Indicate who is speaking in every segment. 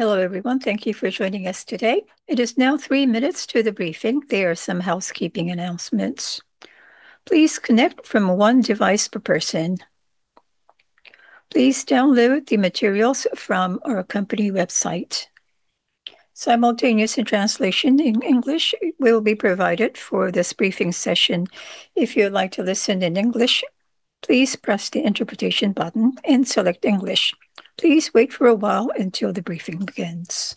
Speaker 1: Hello, everyone. Thank you for joining us today. It is now three minutes to the briefing. There are some housekeeping announcements. Please connect from one device per person. Please download the materials from our company website. Simultaneous translation in English will be provided for this briefing session. If you would like to listen in English, please press the interpretation button and select English. Please wait for a while until the briefing begins.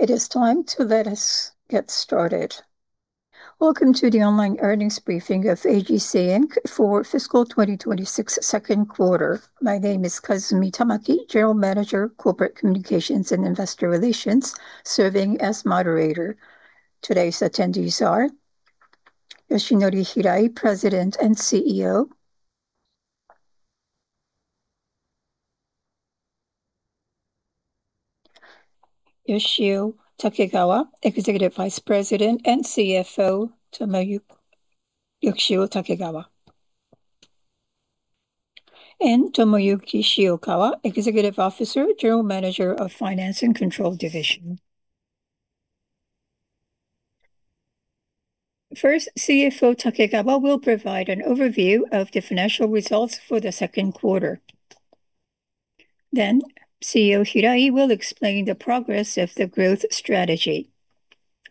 Speaker 1: It is time to let us get started. Welcome to the online earnings briefing of AGC Inc. for fiscal 2026 second quarter. My name is Kazumi Tamaki, General Manager, Corporate Communications and Investor Relations, serving as moderator. Today's attendees are Yoshinori Hirai, President and CEO. Yoshio Takegawa, Executive Vice President and CFO. Tomoyuki Shiokawa, Executive Officer, General Manager of Finance and Control Division.
Speaker 2: First, CFO Takegawa will provide an overview of the financial results for the second quarter. CEO Hirai will explain the progress of the growth strategy,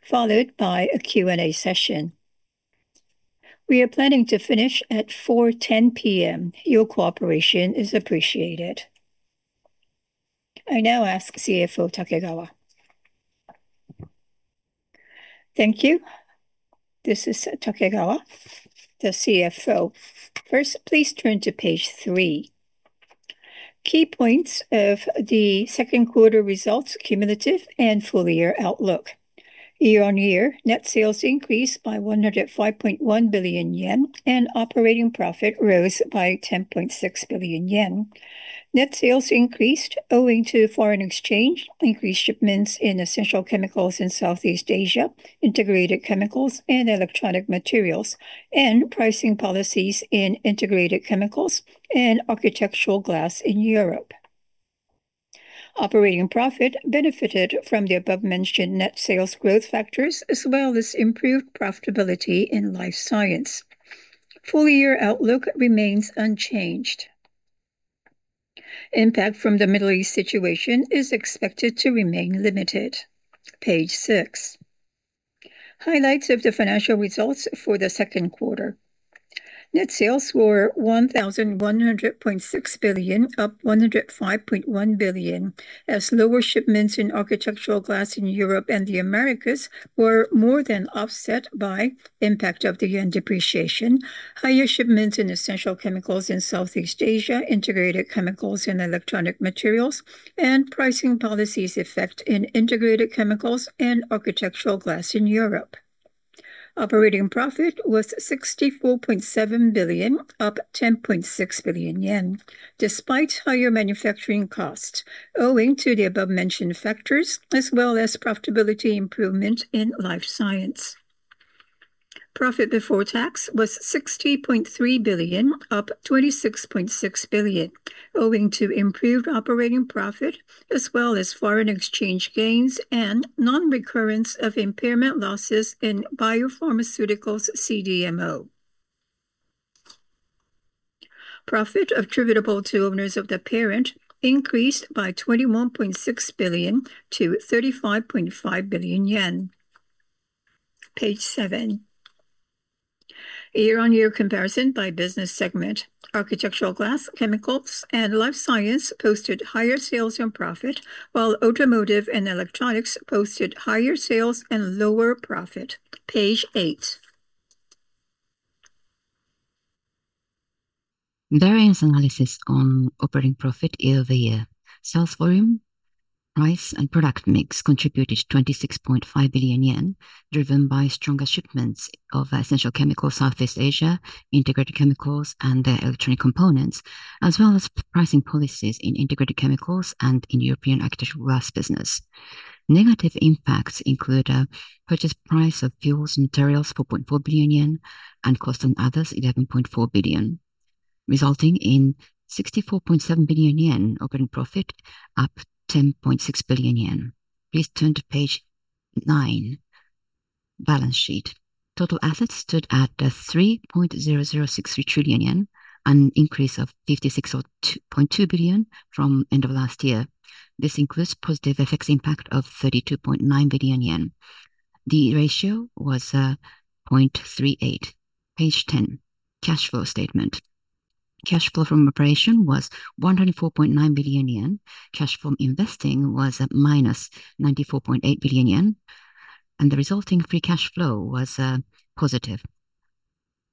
Speaker 2: followed by a Q&A session. We are planning to finish at 4:10 P.M. Your cooperation is appreciated. I now ask CFO Takegawa. Thank you. This is Takegawa, the CFO. First, please turn to page three. Key points of the second quarter results cumulative and full year outlook. Year-on-year, net sales increased by 105.1 billion yen, and operating profit rose by 10.6 billion yen. Net sales increased owing to foreign exchange, increased shipments in Essential Chemicals in Southeast Asia, Integrated Chemicals and electronic materials, and pricing policies in Integrated Chemicals and architectural glass in Europe. Operating profit benefited from the above-mentioned net sales growth factors, as well as improved profitability in life science. Full year outlook remains unchanged. Impact from the Middle East situation is expected to remain limited. Page six. Highlights of the financial results for the second quarter. Net sales were 1,100.6 billion, up 105.1 billion, as lower shipments in architectural glass in Europe and the Americas were more than offset by impact of the yen depreciation, higher shipments in Essential Chemicals in Southeast Asia, Integrated Chemicals in electronic materials, and pricing policies effect in Integrated Chemicals and architectural glass in Europe. Operating profit was 64.7 billion, up 10.6 billion yen, despite higher manufacturing cost owing to the above-mentioned factors as well as profitability improvement in life science. Profit before tax was 60.3 billion, up 26.6 billion, owing to improved operating profit as well as foreign exchange gains and non-recurrence of impairment losses in Biopharmaceuticals CDMO. Profit attributable to owners of the parent increased by 21.6 billion-35.5 billion yen. Page seven. Year-on-year comparison by business segment. Architectural glass, chemicals, and life science posted higher sales and profit, while automotive and electronics posted higher sales and lower profit. Page eight. Variance analysis on operating profit year-over-year. Sales volume, price, and product mix contributed 26.5 billion yen, driven by stronger shipments of Essential Chemicals Southeast Asia, Integrated Chemicals and Electronic Components, as well as pricing policies in Integrated Chemicals and in European Architectural glass business. Negative impacts include a purchase price of fuels and materials, 4.4 billion yen, and cost on others, 11.4 billion, resulting in 64.7 billion yen operating profit, up 10.6 billion yen. Please turn to page nine, balance sheet. Total assets stood at 3.0063 trillion yen, an increase of 56.2 billion from end of last year. This includes positive FX impact of 32.9 billion yen. The ratio was 0.38. Page 10, cash flow statement. Cash flow from operation was 194.9 billion yen. Cash from investing was at -94.8 billion yen, and the resulting free cash flow was positive,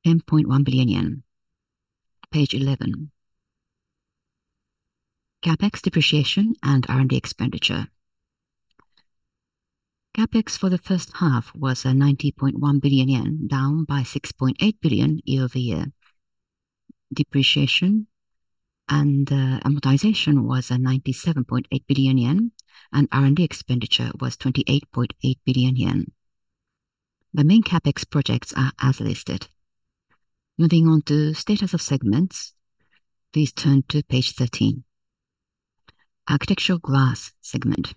Speaker 2: 10.1 billion yen. Page 11. CapEx, depreciation, and R&D expenditure. CapEx for the first half was 90.1 billion yen, down by 6.8 billion year-over-year. Depreciation and amortization was 97.8 billion yen, and R&D expenditure was 28.8 billion yen. The main CapEx projects are as listed. Moving on to status of segments. Please turn to page 13. Architectural glass segment.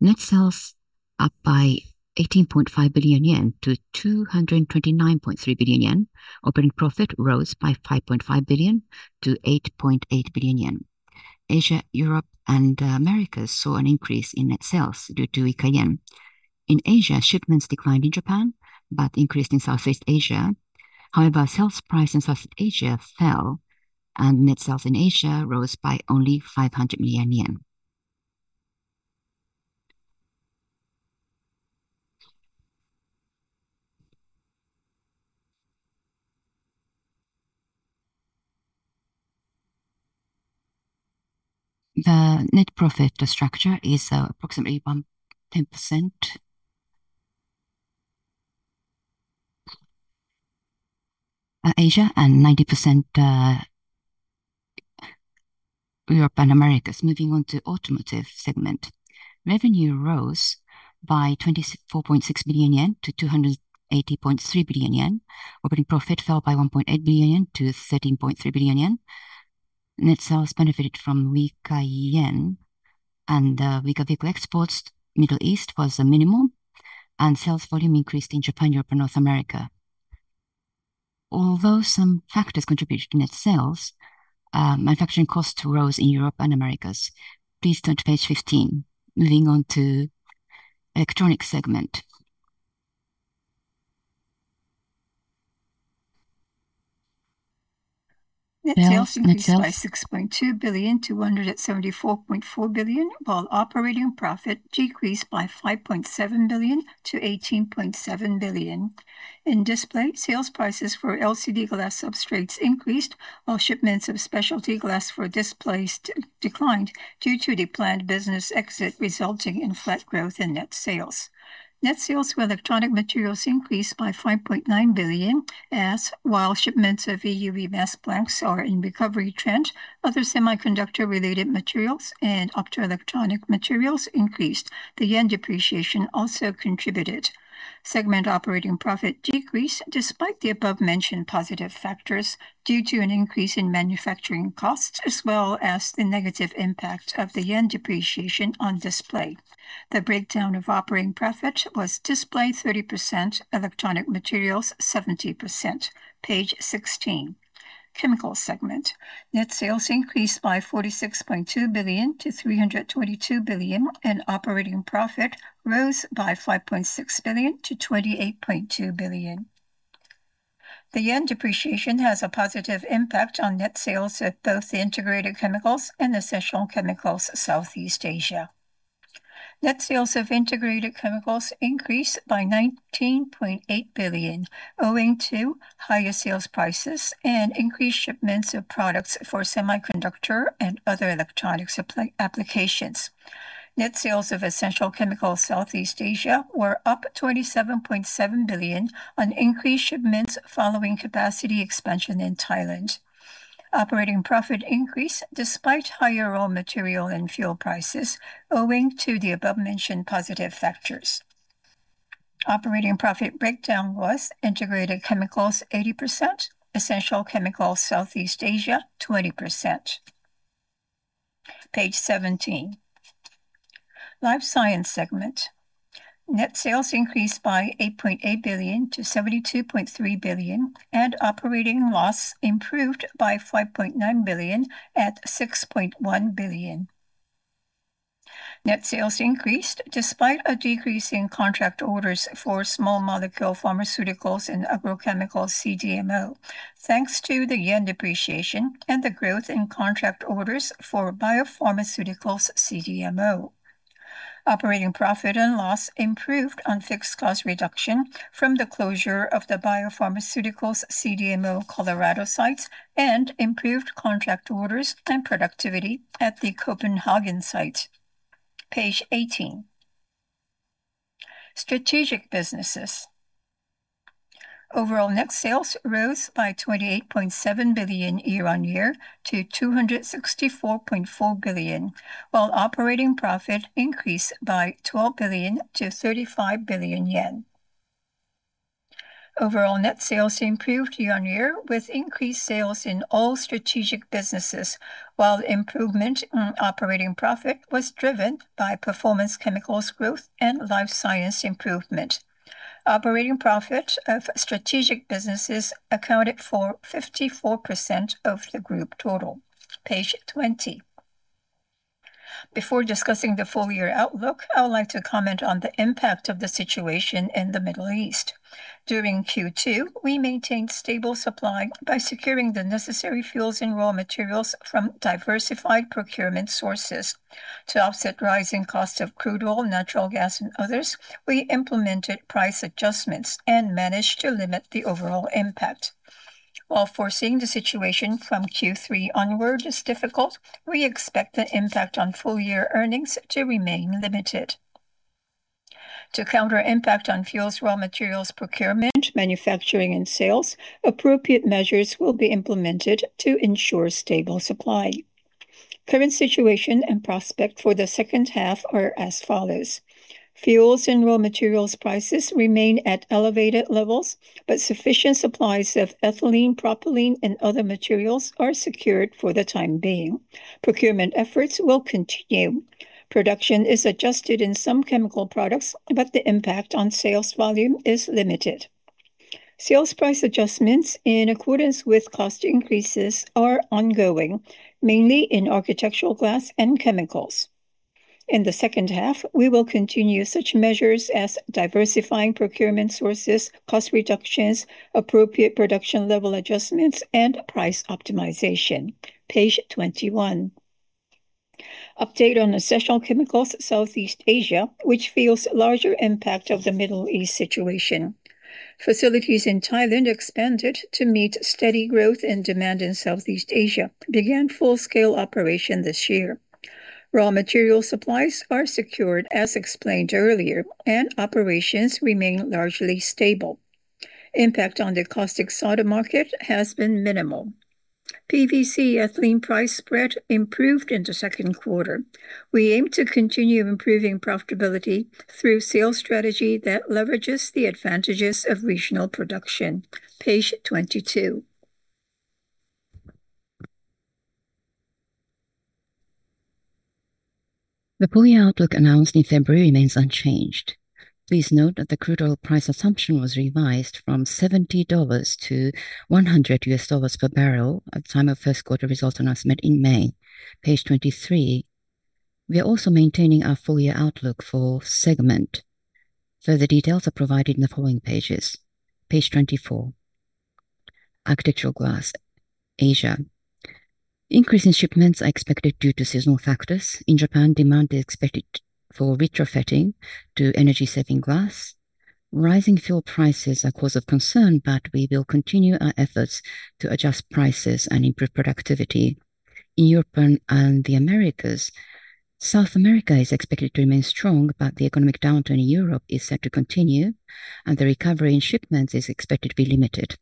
Speaker 2: Net sales up by 18.5 billion-229.3 billion yen. Operating profit rose by 5.5 billion-8.5 billion yen. Asia, Europe, and the Americas saw an increase in net sales due to weak yen. In Asia, shipments declined in Japan, but increased in Southeast Asia. However, sales price in Southeast Asia fell, and net sales in Asia rose by only 500 million yen. The net profit structure is approximately 1% Asia and 90% Europe and Americas. Moving on to Automotive segment. Revenue rose by 24.6 billion-280.3 billion yen. Operating profit fell by 1.8 billion-13.3 billion yen. Net sales benefited from weak yen and weak vehicle exports. Middle East was the minimum, and sales volume increased in Japan, Europe, and North America. Although some factors contributed to net sales, manufacturing costs rose in Europe and Americas. Please turn to page 15. Moving on to Electronic segment. Net sales increased by 6.2 billion-174.4 billion, while operating profit decreased by 5.7 billion-18.7 billion. In display, sales prices for LCD glass substrates increased, while shipments of specialty glass for displays declined due to the planned business exit, resulting in flat growth in net sales. Net sales for Electronic materials increased by 5.9 billion, as shipments of EUVL mask blanks are in recovery trend, other semiconductor-related materials and optoelectronic materials increased. The yen depreciation also contributed. Segment operating profit decreased despite the above-mentioned positive factors due to an increase in manufacturing costs, as well as the negative impact of the yen depreciation on display. The breakdown of operating profit was display 30%, Electronic materials 70%. Page 16. Chemical segment. Net sales increased by 46.2 billion-322 billion, and operating profit rose by 5.6 billion-28.2 billion. The yen depreciation has a positive impact on net sales at both the Integrated Chemicals and Essential Chemicals Southeast Asia. Net sales of Integrated Chemicals increased by 19.8 billion, owing to higher sales prices and increased shipments of products for semiconductor and other electronic applications. Net sales of Essential Chemicals Southeast Asia were up 27.7 billion on increased shipments following capacity expansion in Thailand. Operating profit increased despite higher raw material and fuel prices, owing to the above-mentioned positive factors. Operating profit breakdown was Integrated Chemicals 80%, Essential Chemicals Southeast Asia 20%. Page 17. Life Science segment. Net sales increased by 8.8 billion-72.3 billion, and operating loss improved by 5.9 billion at 6.1 billion. Net sales increased despite a decrease in contract orders for small molecule pharmaceuticals and agrochemicals CDMO, thanks to the yen depreciation and the growth in contract orders for biopharmaceuticals CDMO. Operating profit and loss improved on fixed cost reduction from the closure of the Biopharmaceuticals CDMO Colorado site and improved contract orders and productivity at the Copenhagen site. Page 18. Strategic businesses. Overall net sales rose by 28.7 billion year-on-year to 264.4 billion, while operating profit increased by 12 billion-35 billion yen. Overall net sales improved year-on-year with increased sales in all strategic businesses, while improvement in operating profit was driven by Performance Chemicals growth and Life Science improvement. Operating profit of strategic businesses accounted for 54% of the group total. Page 20. Before discussing the full-year outlook, I would like to comment on the impact of the situation in the Middle East. During Q2, we maintained stable supply by securing the necessary fuels and raw materials from diversified procurement sources. To offset rising cost of crude oil, natural gas, and others, we implemented price adjustments and managed to limit the overall impact. While foreseeing the situation from Q3 onward is difficult, we expect the impact on full-year earnings to remain limited. To counter impact on fuels raw materials procurement, manufacturing, and sales, appropriate measures will be implemented to ensure stable supply. Current situation and prospect for the second half are as follows. Fuels and raw materials prices remain at elevated levels, but sufficient supplies of ethylene, propylene, and other materials are secured for the time being. Procurement efforts will continue. Production is adjusted in some chemical products, but the impact on sales volume is limited. Sales price adjustments in accordance with cost increases are ongoing, mainly in architectural glass and chemicals. In the second half, we will continue such measures as diversifying procurement sources, cost reductions, appropriate production level adjustments, and price optimization. Page 21. Update on Essential Chemicals Southeast Asia, which feels larger impact of the Middle East situation. Facilities in Thailand expanded to meet steady growth and demand in Southeast Asia began full-scale operation this year. Raw material supplies are secured, as explained earlier, and operations remain largely stable. Impact on the caustic soda market has been minimal. PVC ethylene price spread improved in the second quarter. We aim to continue improving profitability through sales strategy that leverages the advantages of regional production. Page 22. The full-year outlook announced in February remains unchanged. Please note that the crude oil price assumption was revised from $70-$100 per barrel at the time of first quarter results announcement in May. Page 23. We are also maintaining our full-year outlook for segment. Further details are provided in the following pages. Page 24. Architectural Glass, Asia. Increase in shipments are expected due to seasonal factors. In Japan, demand is expected for retrofitting to energy-saving glass. Rising fuel prices are cause of concern, but we will continue our efforts to adjust prices and improve productivity. In Europe and the Americas, South America is expected to remain strong, but the economic downturn in Europe is set to continue, and the recovery in shipments is expected to be limited.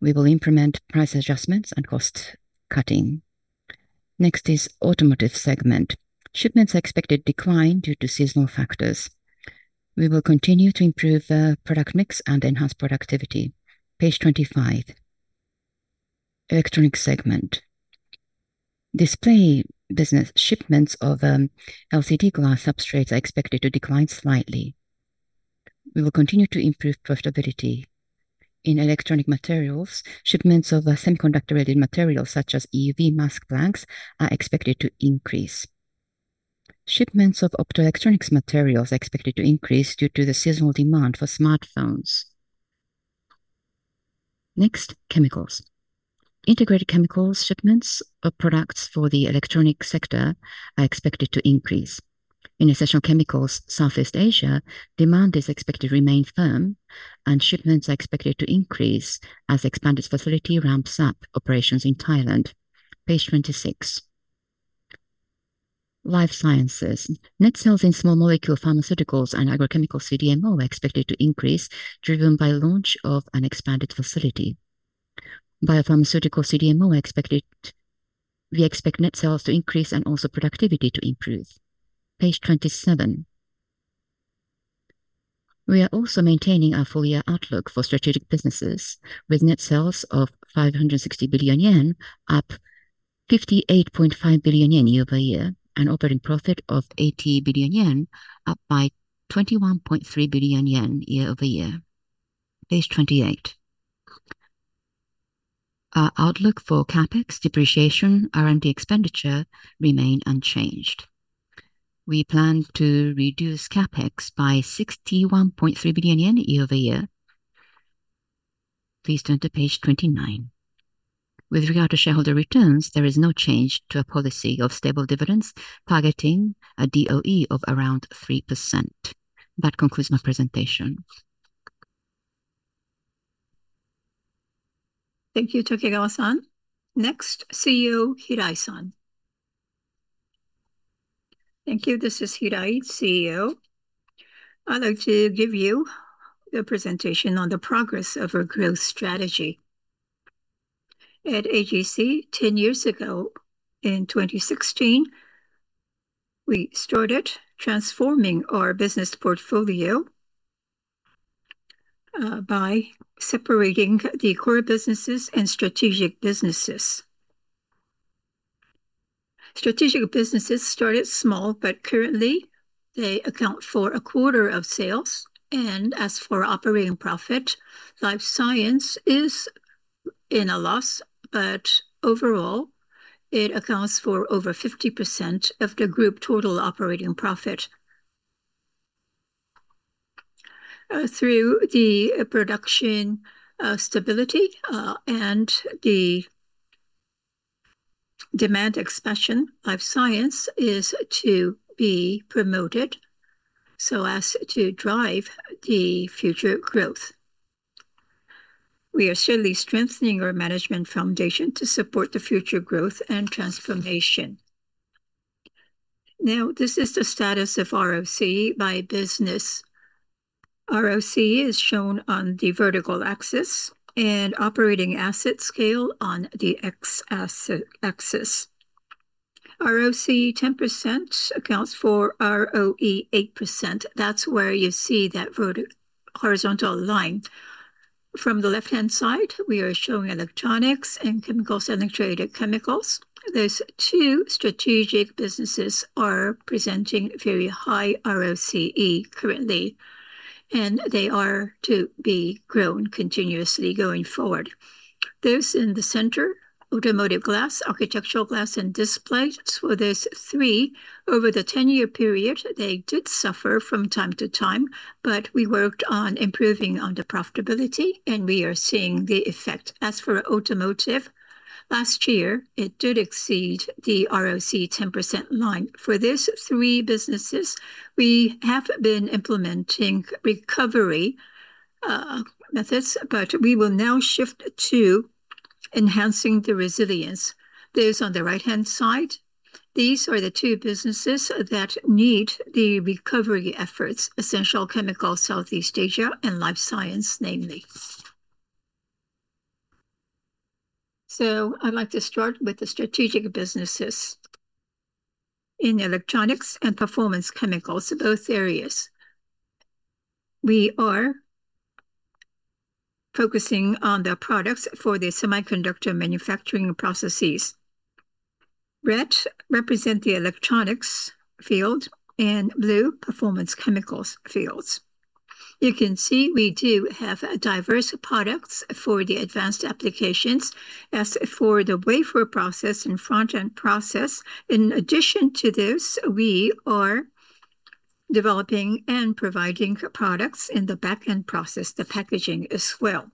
Speaker 2: We will implement price adjustments and cost cutting. Next is Automotive segment. Shipments are expected decline due to seasonal factors. We will continue to improve the product mix and enhance productivity. Page 25. Electronic segment. Display business shipments of LCD glass substrates are expected to decline slightly. We will continue to improve profitability. In electronic materials, shipments of semiconductor-related materials such as EUVL mask blanks are expected to increase. Shipments of optoelectronic materials are expected to increase due to the seasonal demand for smartphones. Next, Chemicals. Integrated Chemicals shipments of products for the electronic sector are expected to increase. In Essential Chemicals Southeast Asia, demand is expected to remain firm, and shipments are expected to increase as expanded facility ramps up operations in Thailand. Page 26. Life Sciences. Net sales in small molecule pharmaceuticals and agrochemical CDMO are expected to increase, driven by launch of an expanded facility. Biopharmaceutical CDMO, we expect net sales to increase and also productivity to improve. Page 27. We are also maintaining our full-year outlook for strategic businesses with net sales of 560 billion yen, up 58.5 billion yen year-over-year, and operating profit of 80 billion yen, up by 21.3 billion yen year-over-year. Page 28. Our outlook for CapEx, depreciation, R&D expenditure remain unchanged. We plan to reduce CapEx by 61.3 billion yen year-over-year. Please turn to page 29. With regard to shareholder returns, there is no change to a policy of stable dividends targeting a D/E ratio of around 3%. That concludes my presentation.
Speaker 1: Thank you, Takegawa-san. Next, CEO Hirai-san.
Speaker 3: Thank you. This is Hirai, CEO. I'd like to give you the presentation on the progress of our growth strategy. At AGC, 10 years ago in 2016, we started transforming our business portfolio by separating the core businesses and strategic businesses. Strategic businesses started small, but currently they account for a quarter of sales. As for operating profit, Life Sciences is in a loss, but overall, it accounts for over 50% of the group total operating profit. Through the production stability, and the demand expansion, Life Sciences is to be promoted so as to drive the future growth. We are surely strengthening our management foundation to support the future growth and transformation. Now, this is the status of ROCE by business. ROCE is shown on the vertical axis and operating asset scale on the x-axis. ROCE 10% accounts for ROE 8%. That's where you see that horizontal line. From the left-hand side, we are showing electronics and chemicals and traded chemicals. Those two strategic businesses are presenting very high ROCE currently, and they are to be grown continuously going forward. Those in the center, automotive glass, architectural glass, and displays. For those three, over the 10-year period, they did suffer from time to time, but we worked on improving on the profitability, and we are seeing the effect. As for automotive, last year, it did exceed the ROCE 10% line. For these three businesses, we have been implementing recovery methods, but we will now shift to enhancing the resilience. Those on the right-hand side, these are the two businesses that need the recovery efforts, Essential Chemicals Southeast Asia and Life Science, namely. I'd like to start with the strategic businesses. In Electronics and Performance Chemicals, both areas, we are focusing on the products for the semiconductor manufacturing processes. Red represent the electronics field and blue Performance Chemicals fields. You can see we do have diverse products for the advanced applications. As for the wafer process and front-end process, in addition to this, we are developing and providing products in the back-end process, the packaging as well.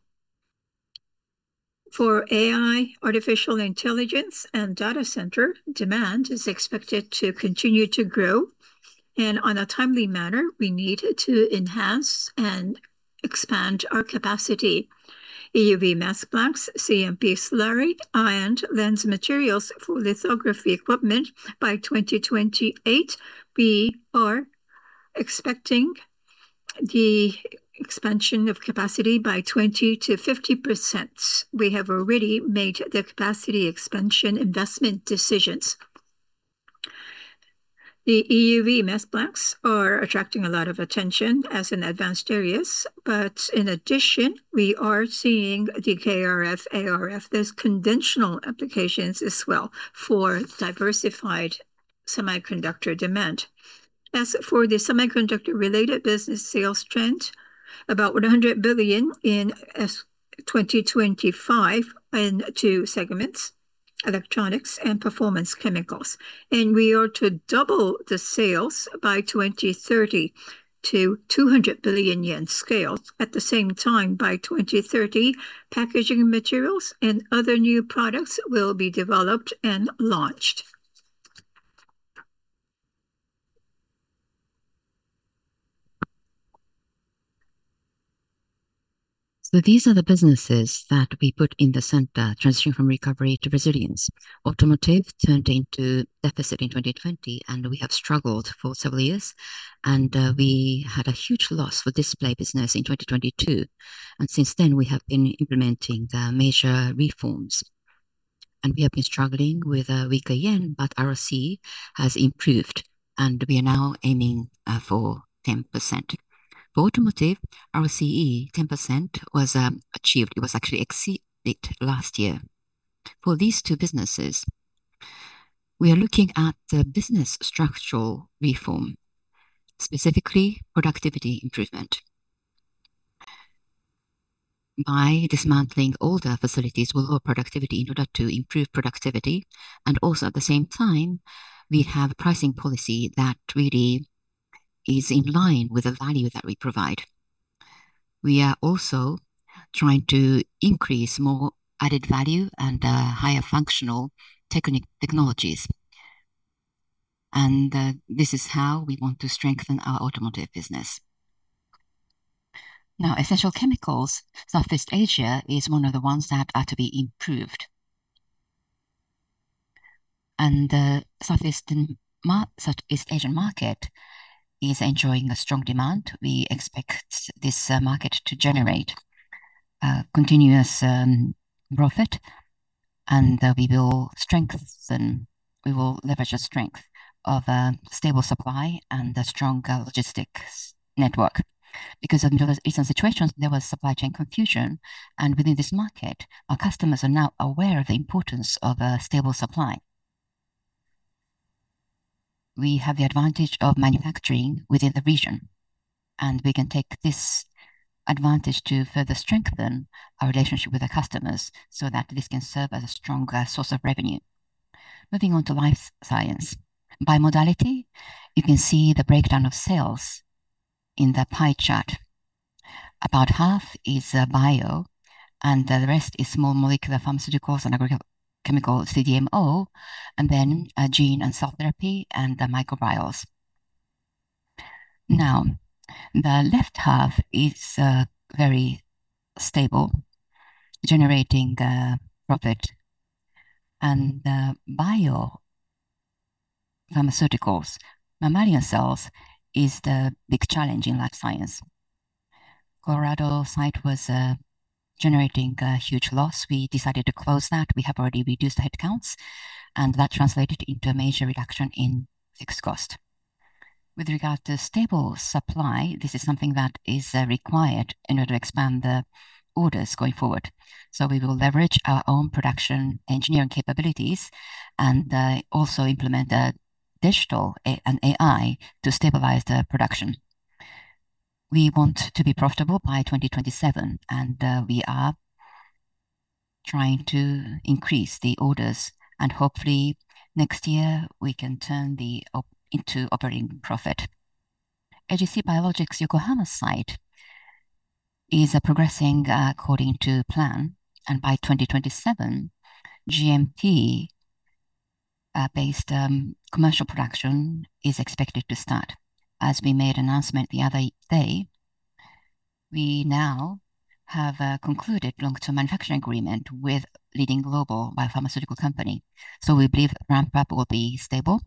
Speaker 3: For AI, artificial intelligence and data center, demand is expected to continue to grow, and on a timely manner, we need to enhance and expand our capacity. EUV mask blanks, CMP slurry, ion lens materials for lithography equipment. By 2028, we are expecting the expansion of capacity by 20%-50%. We have already made the capacity expansion investment decisions. The EUV mask blanks are attracting a lot of attention as an advanced areas, but in addition, we are seeing the KrF, ArF. There's conventional applications as well for diversified semiconductor demand. As for the semiconductor-related business sales trend, about 100 billion in 2025 in two segments, Electronics and Performance Chemicals. We are to double the sales by 2030 to 200 billion yen scale. At the same time, by 2030, packaging materials and other new products will be developed and launched. These are the businesses that we put in the center, transitioning from recovery to resilience. Automotive turned into deficit in 2020, and we have struggled for several years. We had a huge loss for display business in 2022. Since then, we have been implementing the major reforms. We have been struggling with a weaker yen, but ROCE has improved, and we are now aiming for 10%. For automotive, ROCE 10% was achieved. It was actually exceeded last year. For these two businesses, we are looking at the business structural reform, specifically productivity improvement. By dismantling older facilities will help productivity in order to improve productivity, and also at the same time, we have a pricing policy that really is in line with the value that we provide. We are also trying to increase more added value and higher functional technologies. This is how we want to strengthen our automotive business. Essential Chemicals, Southeast Asia is one of the ones that are to be improved. Southeast Asian market is enjoying a strong demand. We expect this market to generate continuous profit, and we will leverage the strength of a stable supply and a strong logistics network. Because of Middle Eastern situations, there was supply chain confusion, and within this market, our customers are now aware of the importance of a stable supply. We have the advantage of manufacturing within the region, and we can take this advantage to further strengthen our relationship with the customers so that this can serve as a stronger source of revenue. Moving on to Life Science. By modality, you can see the breakdown of sales in the pie chart. About half is bio, and the rest is small molecular pharmaceuticals and chemical CDMO, then gene and cell therapy and the microbiomes. The left half is very stable, generating profit. Biopharmaceuticals, mammalian cells is the big challenge in Life Science. Colorado site was generating a huge loss. We decided to close that. We have already reduced the headcounts, and that translated into a major reduction in fixed cost. With regard to stable supply, this is something that is required in order to expand the orders going forward. We will leverage our own production engineering capabilities and also implement digital and AI to stabilize the production. We want to be profitable by 2027, hopefully next year we can turn into operating profit. AGC Biologics' Yokohama site is progressing according to plan, by 2027, GMP-based commercial production is expected to start. As we made announcement the other day, we now have concluded long-term manufacturing agreement with leading global biopharmaceutical company. We believe ramp-up will be stable.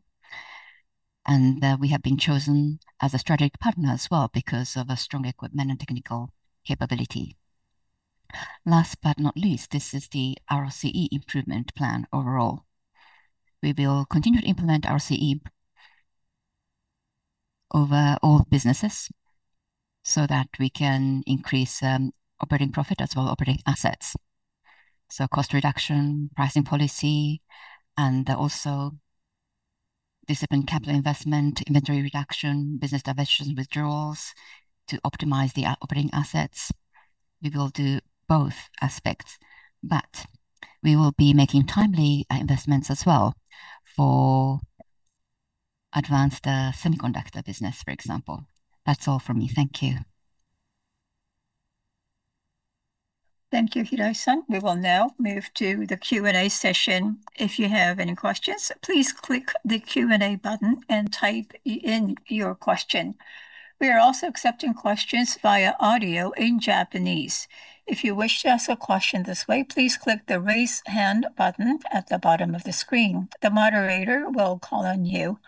Speaker 3: We have been chosen as a strategic partner as well because of a strong equipment and technical capability. Last but not least, this is the ROCE improvement plan overall. We will continue to implement ROCE over all businesses so that we can increase operating profit as well operating assets. Cost reduction, pricing policy, and also disciplined capital investment, inventory reduction, business divestitures, withdrawals to optimize the operating assets. We will do both aspects, but we will be making timely investments as well for advanced semiconductor business, for example. That's all from me. Thank you.
Speaker 1: Thank you, Hirai-san. We will now move to the Q&A session. If you have any questions, please click the Q&A button and type in your question. We are also accepting questions via audio in Japanese. If you wish to ask a question this way, please click the raise hand button at the bottom of the screen. The moderator will call on you.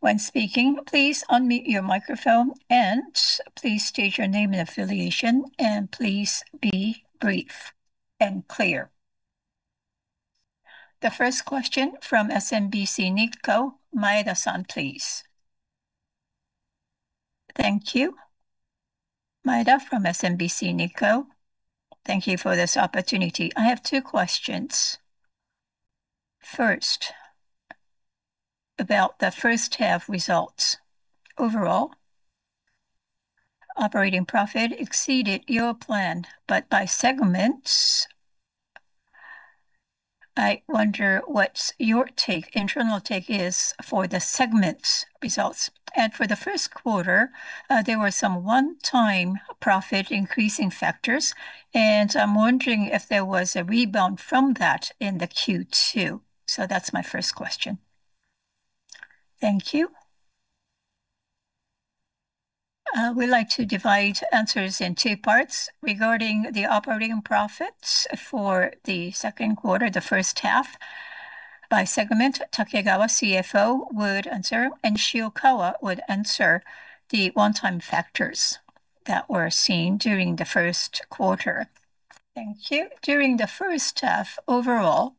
Speaker 1: When speaking, please unmute your microphone and please state your name and affiliation, and please be brief and clear. The first question from SMBC Nikko, Maeda-san, please.
Speaker 4: Thank you. Maeda from SMBC Nikko. Thank you for this opportunity. I have two questions. First, about the first half results. Overall, operating profit exceeded your plan, but by segments, I wonder what your internal take is for the segments results. For the first quarter, there were some one-time profit increasing factors, and I'm wondering if there was a rebound from that in the Q2. That's my first question.
Speaker 1: Thank you. We like to divide answers in two parts. Regarding the operating profits for the second quarter, the first half. By segment, Takegawa, CFO, would answer, and Shiokawa would answer the one-time factors that were seen during the first quarter.
Speaker 2: Thank you. During the first half, overall,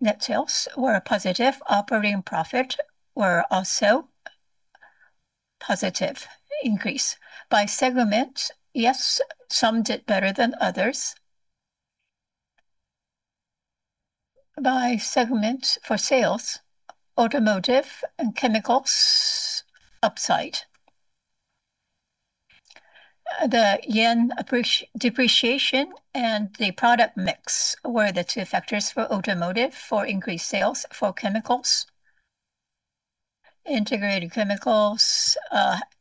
Speaker 2: net sales were positive. Operating profit were also positive increase. By segment, yes, some did better than others. By segment for sales, automotive and chemicals, upside. The yen depreciation and the product mix were the two factors for automotive for increased sales for chemicals. Integrated Chemicals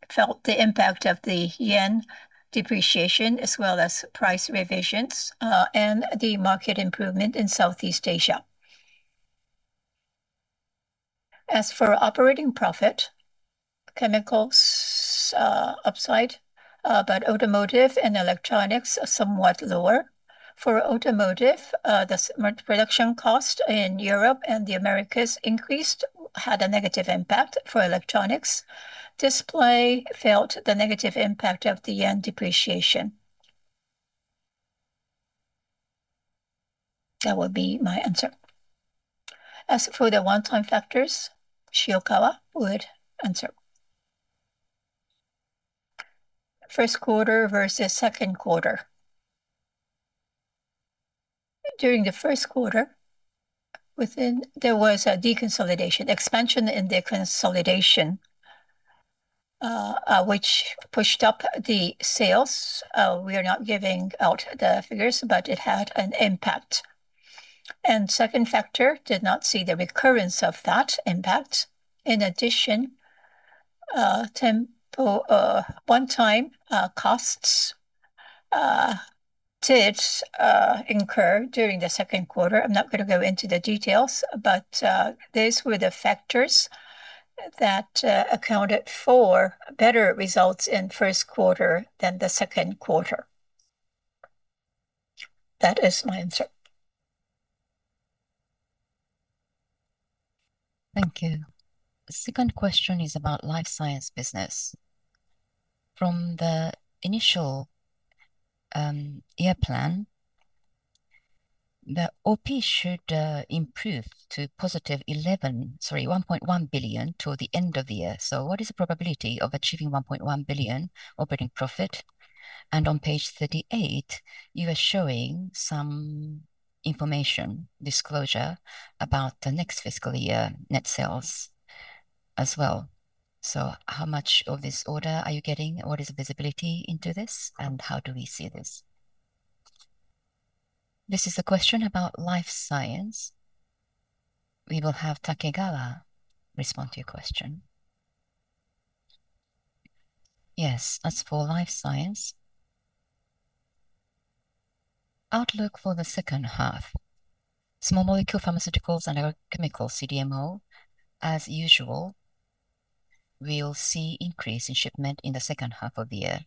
Speaker 2: felt the impact of the yen depreciation, as well as price revisions, and the market improvement in Southeast Asia. As for operating profit, chemicals upside, but automotive and electronics are somewhat lower. For automotive, the production cost in Europe and the Americas increased, had a negative impact. For electronics, display felt the negative impact of the JPY depreciation. That would be my answer.
Speaker 1: As for the one-time factors, Shiokawa would answer.
Speaker 5: First quarter versus second quarter. During the first quarter, there was a deconsolidation, expansion in the consolidation, which pushed up the sales. We are not giving out the figures, but it had an impact. Second factor did not see the recurrence of that impact. In addition, one-time costs did incur during the second quarter. I'm not going to go into the details, but these were the factors that accounted for better results in first quarter than the second quarter. That is my answer.
Speaker 4: Thank you. Second question is about Life Science business. From the initial year plan, the OP should improve to 1.1 billion toward the end of the year. What is the probability of achieving 1.1 billion operating profit? On page 38, you are showing some information disclosure about the next fiscal year net sales as well. How much of this order are you getting? What is the visibility into this, and how do we see this?
Speaker 1: This is a question about Life Science. We will have Takegawa respond to your question.
Speaker 2: Yes. As for Life Science, outlook for the second half, small molecule pharmaceuticals and our chemical CDMO, as usual, we will see increase in shipment in the second half of the year.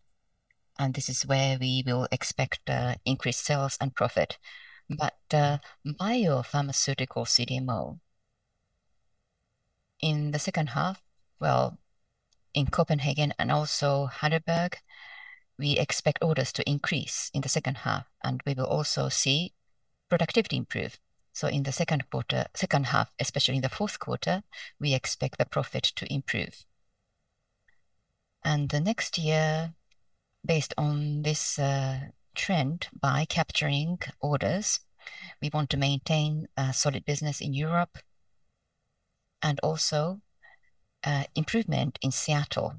Speaker 2: This is where we will expect increased sales and profit. Biopharmaceutical CDMO in the second half, well, in Copenhagen and also Heidelberg, we expect orders to increase in the second half, we will also see productivity improve. In the second half, especially in the fourth quarter, we expect the profit to improve. The next year, based on this trend, by capturing orders, we want to maintain a solid business in Europe and also improvement in Seattle.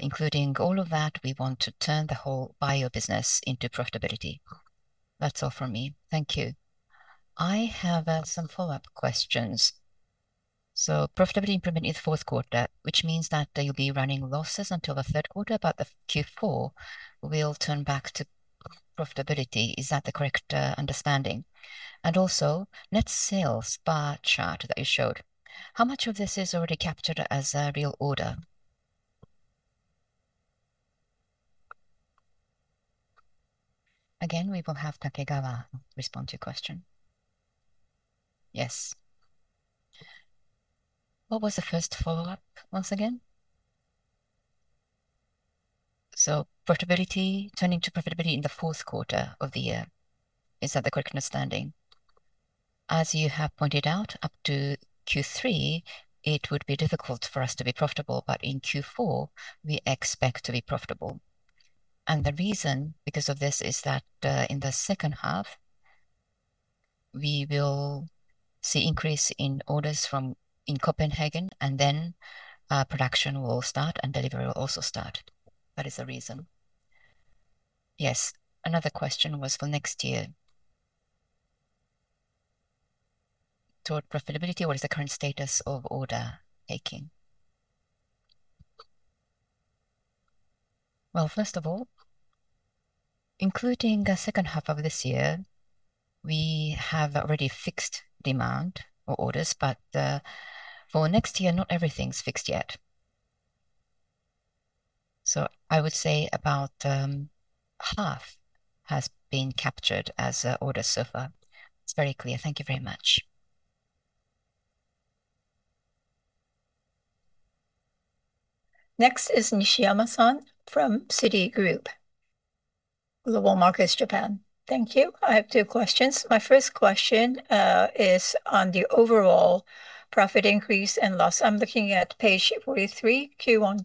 Speaker 2: Including all of that, we want to turn the whole bio business into profitability. That's all from me.
Speaker 4: Thank you. I have some follow-up questions. Profitability improvement in the fourth quarter, which means that they'll be running losses until the third quarter, but the Q4 will turn back to profitability. Is that the correct understanding? Also, net sales bar chart that you showed. How much of this is already captured as a real order?
Speaker 1: Again, we will have Takegawa respond to your question.
Speaker 2: Yes. What was the first follow-up once again?
Speaker 4: Turning to profitability in the fourth quarter of the year. Is that the correct understanding?
Speaker 2: As you have pointed out, up to Q3, it would be difficult for us to be profitable, but in Q4, we expect to be profitable. The reason because of this is that in the second half, we will see increase in orders in Copenhagen, and then production will start, and delivery will also start. That is the reason.
Speaker 4: Yes. Another question was for next year. Toward profitability, what is the current status of order taking?
Speaker 2: Well, first of all, including the second half of this year, we have already fixed demand for orders, but for next year, not everything's fixed yet. I would say about half has been captured as orders so far.
Speaker 4: It's very clear. Thank you very much.
Speaker 1: Next is Nishiyama-san from Citigroup Global Markets Japan.
Speaker 6: Thank you. I have two questions. My first question is on the overall profit increase and loss. I'm looking at page 43, Q1,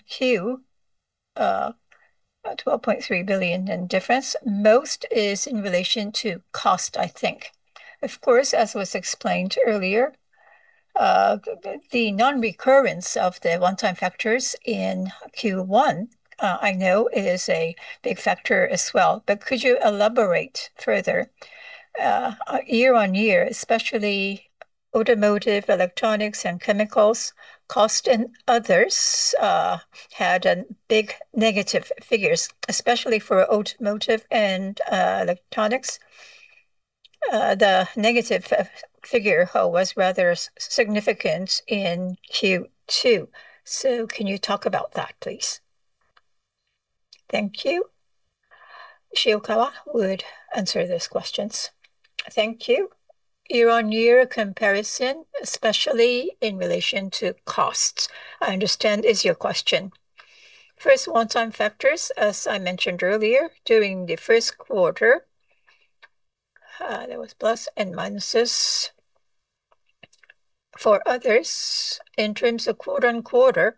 Speaker 6: 12.3 billion in difference. Most is in relation to cost, I think. Of course, as was explained earlier, the non-recurrence of the one-time factors in Q1, I know is a big factor as well, but could you elaborate further? Year-on-year, especially automotive, electronics, and chemicals, cost and others had big negative figures, especially for automotive and electronics. The negative figure was rather significant in Q2. Can you talk about that, please?
Speaker 1: Thank you. Shiokawa would answer those questions.
Speaker 5: Thank you. Year-on-year comparison, especially in relation to costs, I understand is your question. First, one-time factors, as I mentioned earlier, during the first quarter, there was plus and minus. For others, in terms of quarter-on-quarter,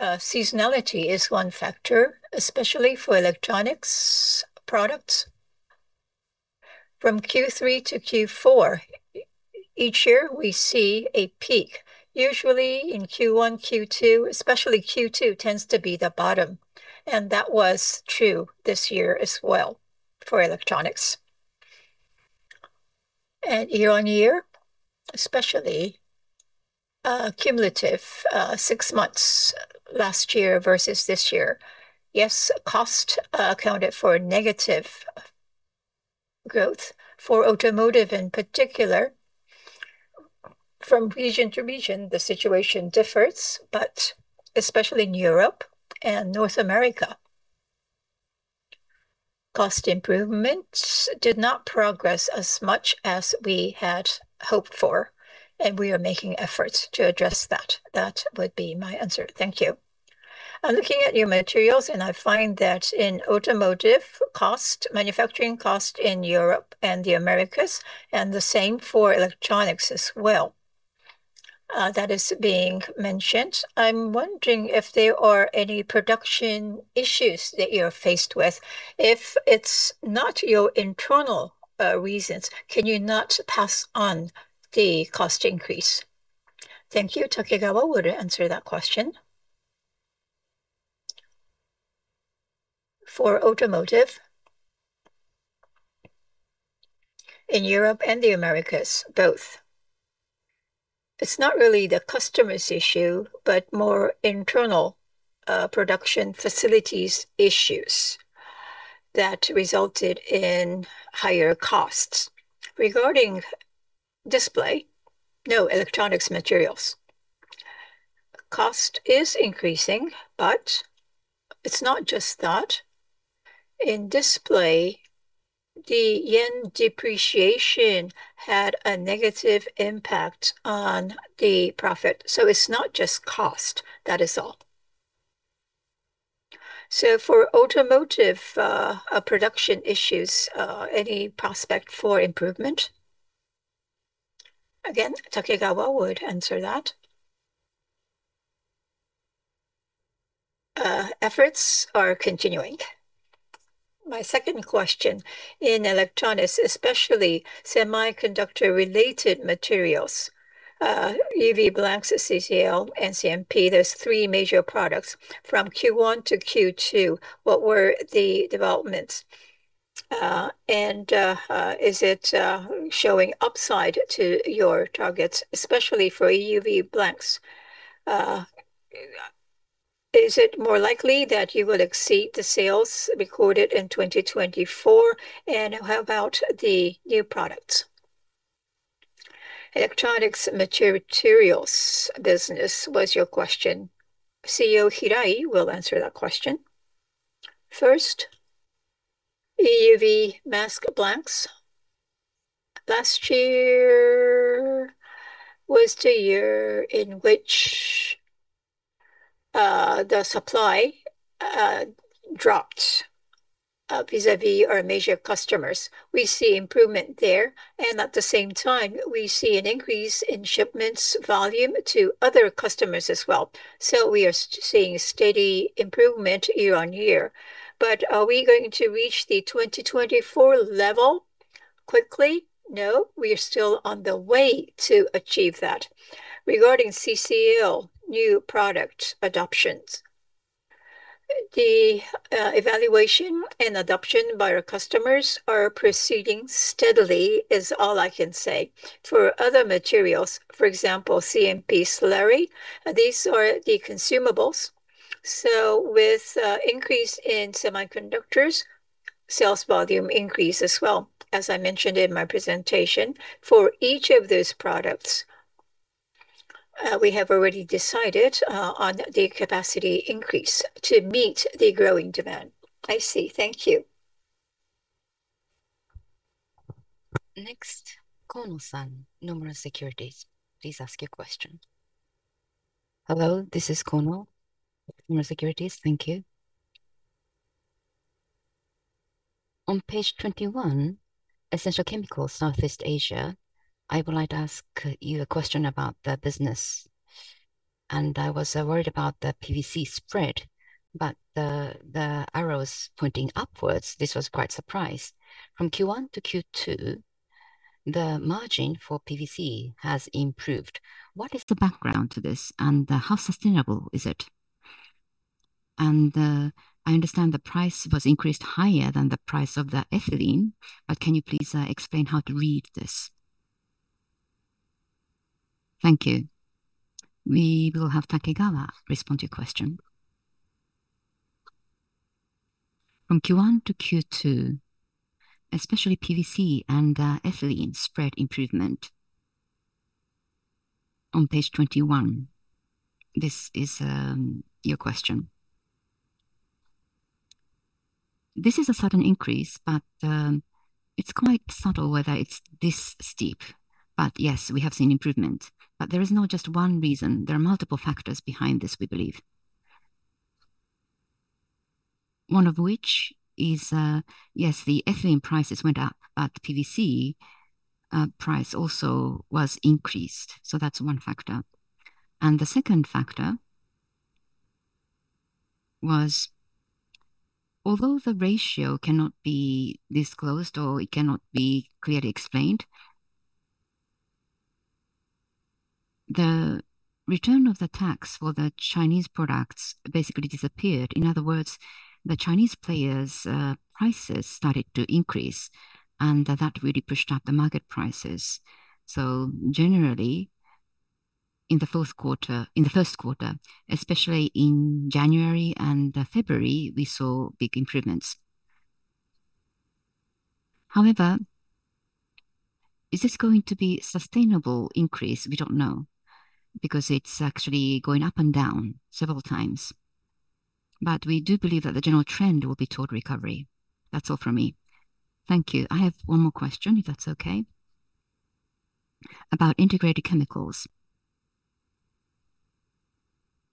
Speaker 5: seasonality is one factor, especially for electronics products. From Q3-Q4, each year we see a peak. Usually in Q1, Q2, especially Q2 tends to be the bottom, and that was true this year as well for electronics. Year-on-year, especially cumulative six months last year versus this year, yes, cost accounted for negative growth for automotive in particular. From region to region, the situation differs, but especially in Europe and North America, cost improvements did not progress as much as we had hoped for, and we are making efforts to address that. That would be my answer. Thank you.
Speaker 6: I'm looking at your materials, and I find that in automotive cost, manufacturing cost in Europe and the Americas, and the same for electronics as well. That is being mentioned. I'm wondering if there are any production issues that you're faced with. If it's not your internal reasons, can you not pass on the cost increase?
Speaker 1: Thank you. Takegawa would answer that question.
Speaker 2: For automotive, in Europe and the Americas both, it's not really the customer's issue, but more internal production facilities issues that resulted in higher costs. Regarding display, no electronics materials. Cost is increasing, but it's not just that. In display, the yen depreciation had a negative impact on the profit. It's not just cost, that is all.
Speaker 6: For automotive production issues, any prospect for improvement?
Speaker 1: Takegawa would answer that.
Speaker 2: Efforts are continuing.
Speaker 6: My second question, in electronics, especially semiconductor-related materials, EUV blanks, CCL, CMP, those three major products. From Q1-Q2, what were the developments? Is it showing upside to your targets, especially for EUV blanks? Is it more likely that you would exceed the sales recorded in 2024? How about the new products?
Speaker 1: Electronics materials business was your question. CEO Hirai will answer that question.
Speaker 3: First, EUVL mask blanks. Last year was the year in which the supply dropped vis-à-vis our major customers. We see improvement there, and at the same time, we see an increase in shipments volume to other customers as well. We are seeing steady improvement year-over-year. Are we going to reach the 2024 level quickly? No, we are still on the way to achieve that. Regarding CCL new product adoptions, the evaluation and adoption by our customers are proceeding steadily is all I can say. For other materials, for example, CMP slurry, these are the consumables. With increase in semiconductors. Sales volume increase as well. As I mentioned in my presentation, for each of those products, we have already decided on the capacity increase to meet the growing demand.
Speaker 6: I see. Thank you.
Speaker 1: Next, Kono-san, Nomura Securities. Please ask your question.
Speaker 7: Hello, this is Kono with Nomura Securities. Thank you. On page 21, Essential Chemicals Southeast Asia, I would like to ask you a question about the business. I was worried about the PVC spread, the arrow is pointing upwards. This was quite a surprise. From Q1-Q2, the margin for PVC has improved. What is the background to this, how sustainable is it? I understand the price was increased higher than the price of the ethylene, can you please explain how to read this?
Speaker 1: Thank you. We will have Takegawa respond to your question.
Speaker 2: From Q1-Q2, especially PVC and ethylene spread improvement on page 21. This is your question. This is a sudden increase, it's quite subtle whether it's this steep. Yes, we have seen improvement. There is not just one reason. There are multiple factors behind this, we believe. One of which is, yes, the ethylene prices went up, the PVC price also was increased. That's one factor. The second factor was, although the ratio cannot be disclosed or it cannot be clearly explained, the return of the tax for the Chinese products basically disappeared. In other words, the Chinese players' prices started to increase, that really pushed up the market prices. Generally, in the first quarter, especially in January and February, we saw big improvements. However, is this going to be a sustainable increase? We don't know. Because it's actually going up and down several times. We do believe that the general trend will be toward recovery. That's all from me.
Speaker 7: Thank you. I have one more question, if that's okay, about Integrated Chemicals.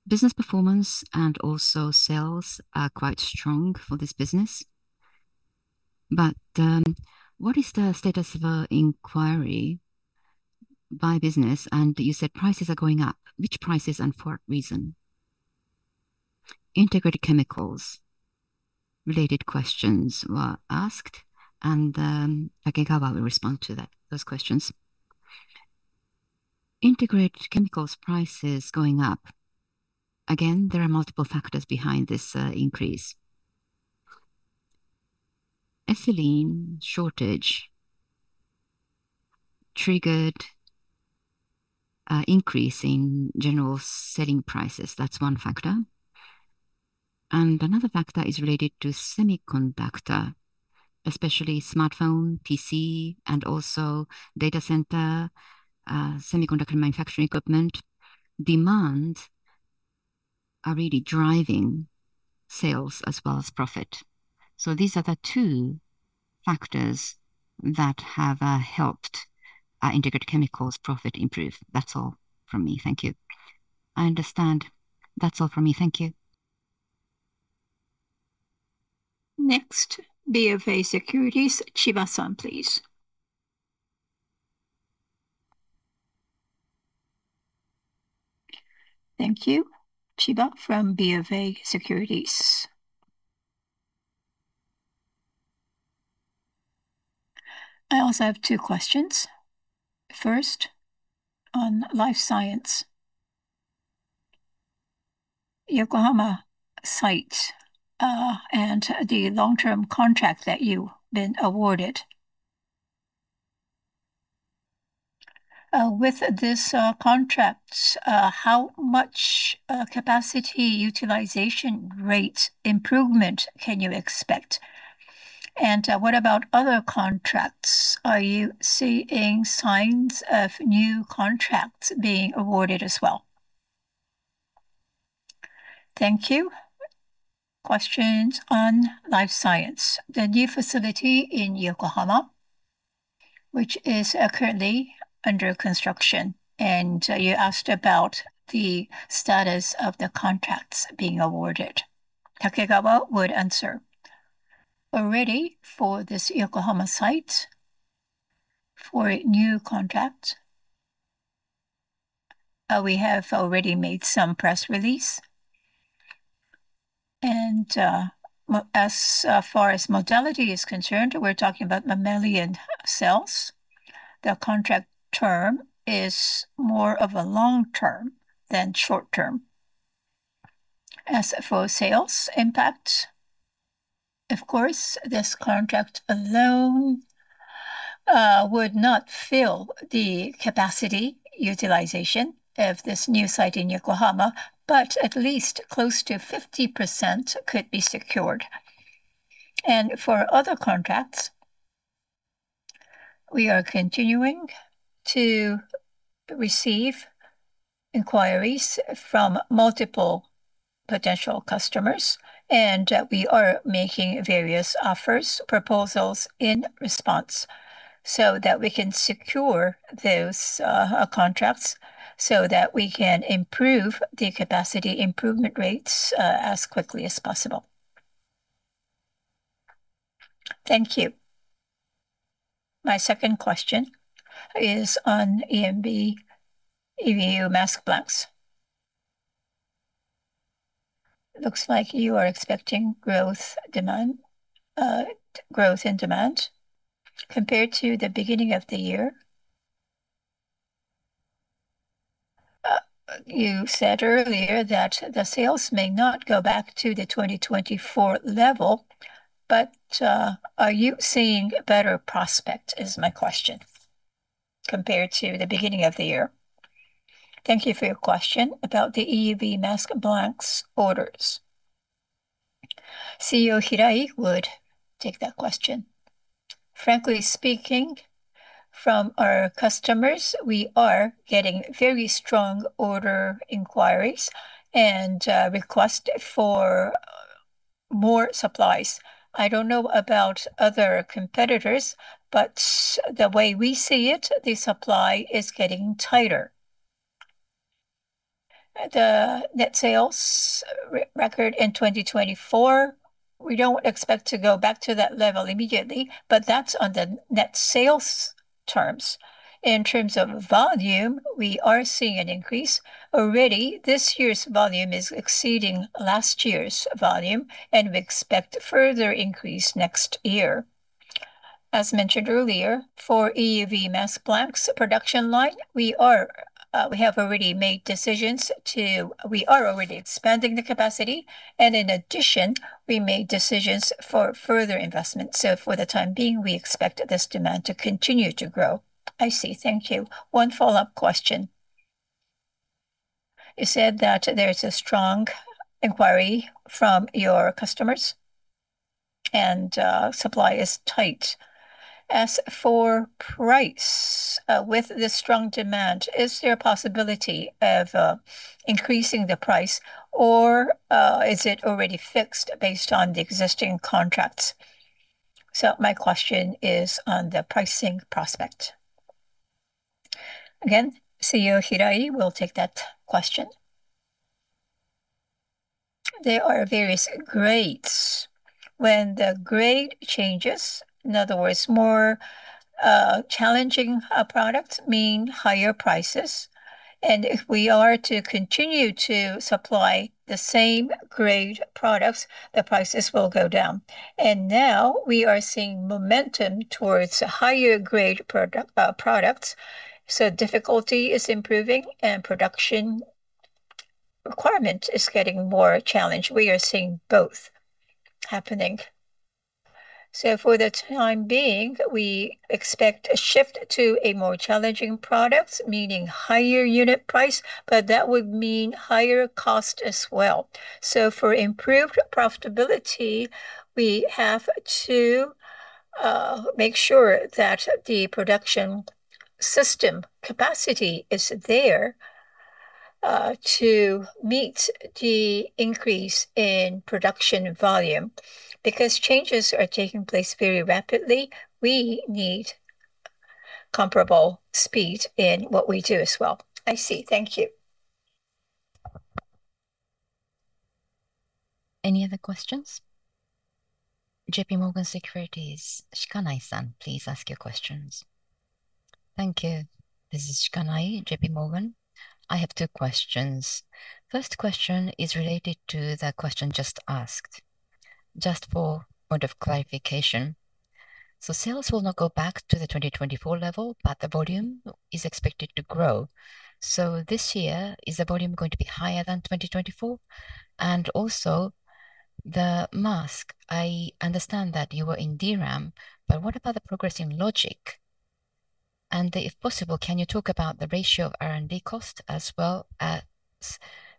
Speaker 7: Business performance sales are quite strong for this business. What is the status of the inquiry by business? You said prices are going up. Which prices for what reason?
Speaker 1: Integrated Chemicals related questions were asked, Takegawa will respond to those questions.
Speaker 2: Integrated Chemicals prices going up. Again, there are multiple factors behind this increase. ethylene shortage triggered an increase in general selling prices. That's one factor. Another factor is related to semiconductor, especially smartphone, PC, and also data center, semiconductor manufacturing equipment demand are really driving sales as well as profit. These are the two factors that have helped Integrated Chemicals profit improve. That's all from me. Thank you.
Speaker 7: I understand. That's all from me. Thank you.
Speaker 1: Next, BofA Securities, Chiba-san, please.
Speaker 8: Thank you. Chiba from BofA Securities. I also have two questions. First, on Life Science Yokohama site, and the long-term contract that you've been awarded. With this contract, how much capacity utilization rate improvement can you expect? What about other contracts? Are you seeing signs of new contracts being awarded as well?
Speaker 1: Thank you. Questions on Life Science, the new facility in Yokohama, which is currently under construction. You asked about the status of the contracts being awarded. Takegawa would answer.
Speaker 2: Already for this Yokohama site, for a new contract, we have already made some press release. As far as modality is concerned, we're talking about mammalian cells. The contract term is more of a long term than short term. As for sales impact, of course, this contract alone would not fill the capacity utilization of this new site in Yokohama, but at least close to 50% could be secured. For other contracts, we are continuing to receive inquiries from multiple potential customers, and we are making various offers, proposals in response, so that we can secure those contracts, so that we can improve the capacity improvement rates as quickly as possible.
Speaker 8: Thank you. My second question is on EUVL mask blanks. Looks like you are expecting growth in demand compared to the beginning of the year. You said earlier that the sales may not go back to the 2024 level, but are you seeing a better prospect, is my question, compared to the beginning of the year?
Speaker 1: Thank you for your question about the EUVL mask blanks orders. CEO Hirai would take that question.
Speaker 3: Frankly speaking, from our customers, we are getting very strong order inquiries and request for more supplies. I don't know about other competitors, but the way we see it, the supply is getting tighter. The net sales record in 2024, we don't expect to go back to that level immediately, but that's on the net sales terms. In terms of volume, we are seeing an increase. Already, this year's volume is exceeding last year's volume, and we expect further increase next year. As mentioned earlier, for EUVL mask blanks production line, we are already expanding the capacity and in addition, we made decisions for further investment. For the time being, we expect this demand to continue to grow.
Speaker 8: I see. Thank you. One follow-up question. You said that there's a strong inquiry from your customers and supply is tight. As for price, with this strong demand, is there a possibility of increasing the price, or is it already fixed based on the existing contracts? My question is on the pricing prospect.
Speaker 1: Again, CEO Hirai will take that question.
Speaker 3: There are various grades. When the grade changes, in other words, more challenging products mean higher prices, and if we are to continue to supply the same grade products, the prices will go down. Now we are seeing momentum towards higher grade products, so difficulty is improving and production requirement is getting more challenged. We are seeing both happening. For the time being, we expect a shift to a more challenging product, meaning higher unit price, but that would mean higher cost as well. For improved profitability, we have to make sure that the production system capacity is there to meet the increase in production volume. Because changes are taking place very rapidly, we need comparable speed in what we do as well.
Speaker 8: I see. Thank you.
Speaker 1: Any other questions? JPMorgan Securities, Shikanai-san, please ask your questions.
Speaker 9: Thank you. This is Shikanai, JPMorgan. I have two questions. First question is related to the question just asked. Just for point of clarification. Sales will not go back to the 2024 level, but the volume is expected to grow. This year, is the volume going to be higher than 2024? The mask, I understand that you were in DRAM, but what about the progress in logic? If possible, can you talk about the ratio of R&D cost as well as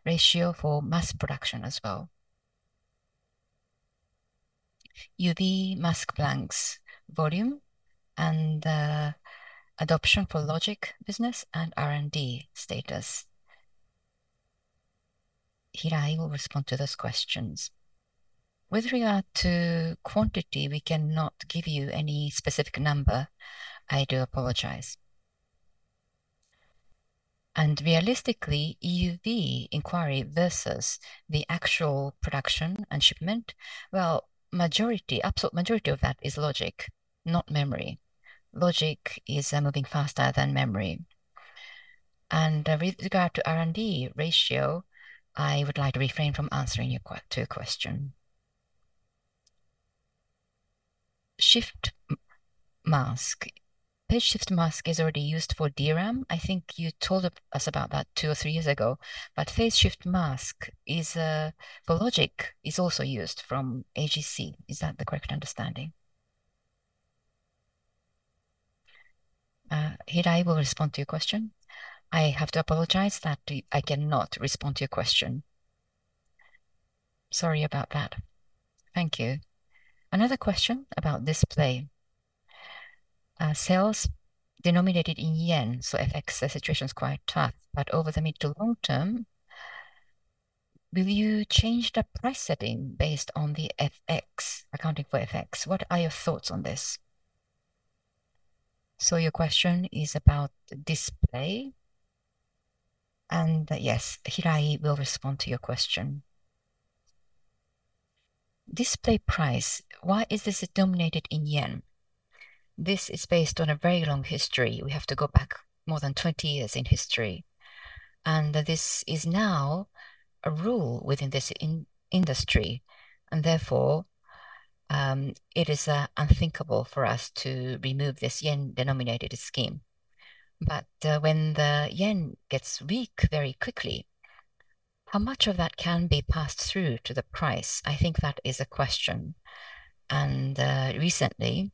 Speaker 9: ratio for mass production as well?
Speaker 1: EUV mask blanks volume and adoption for logic business and R&D status. Hirai-san will respond to those questions.
Speaker 3: With regard to quantity, we cannot give you any specific number. I do apologize. Realistically, EUV inquiry versus the actual production and shipment, well, absolute majority of that is logic, not memory. Logic is moving faster than memory. With regard to R&D ratio, I would like to refrain from answering your two questions.
Speaker 9: Phase shift mask is already used for DRAM. I think you told us about that two or three years ago. Phase shift mask for logic is also used from AGC. Is that the correct understanding?
Speaker 1: Hirai-san will respond to your question.
Speaker 3: I have to apologize that I cannot respond to your question. Sorry about that.
Speaker 9: Thank you. Another question about display. Sales denominated in yen, FX, the situation is quite tough. Over the mid to long term, will you change the price setting based on accounting for FX? What are your thoughts on this?
Speaker 1: Your question is about display. Yes, Hirai-san will respond to your question.
Speaker 3: Display price, why is this dominated in yen? This is based on a very long history. We have to go back more than 20 years in history. This is now a rule within this industry, and therefore, it is unthinkable for us to remove this yen-denominated scheme. When the yen gets weak very quickly, how much of that can be passed through to the price? I think that is a question. Recently,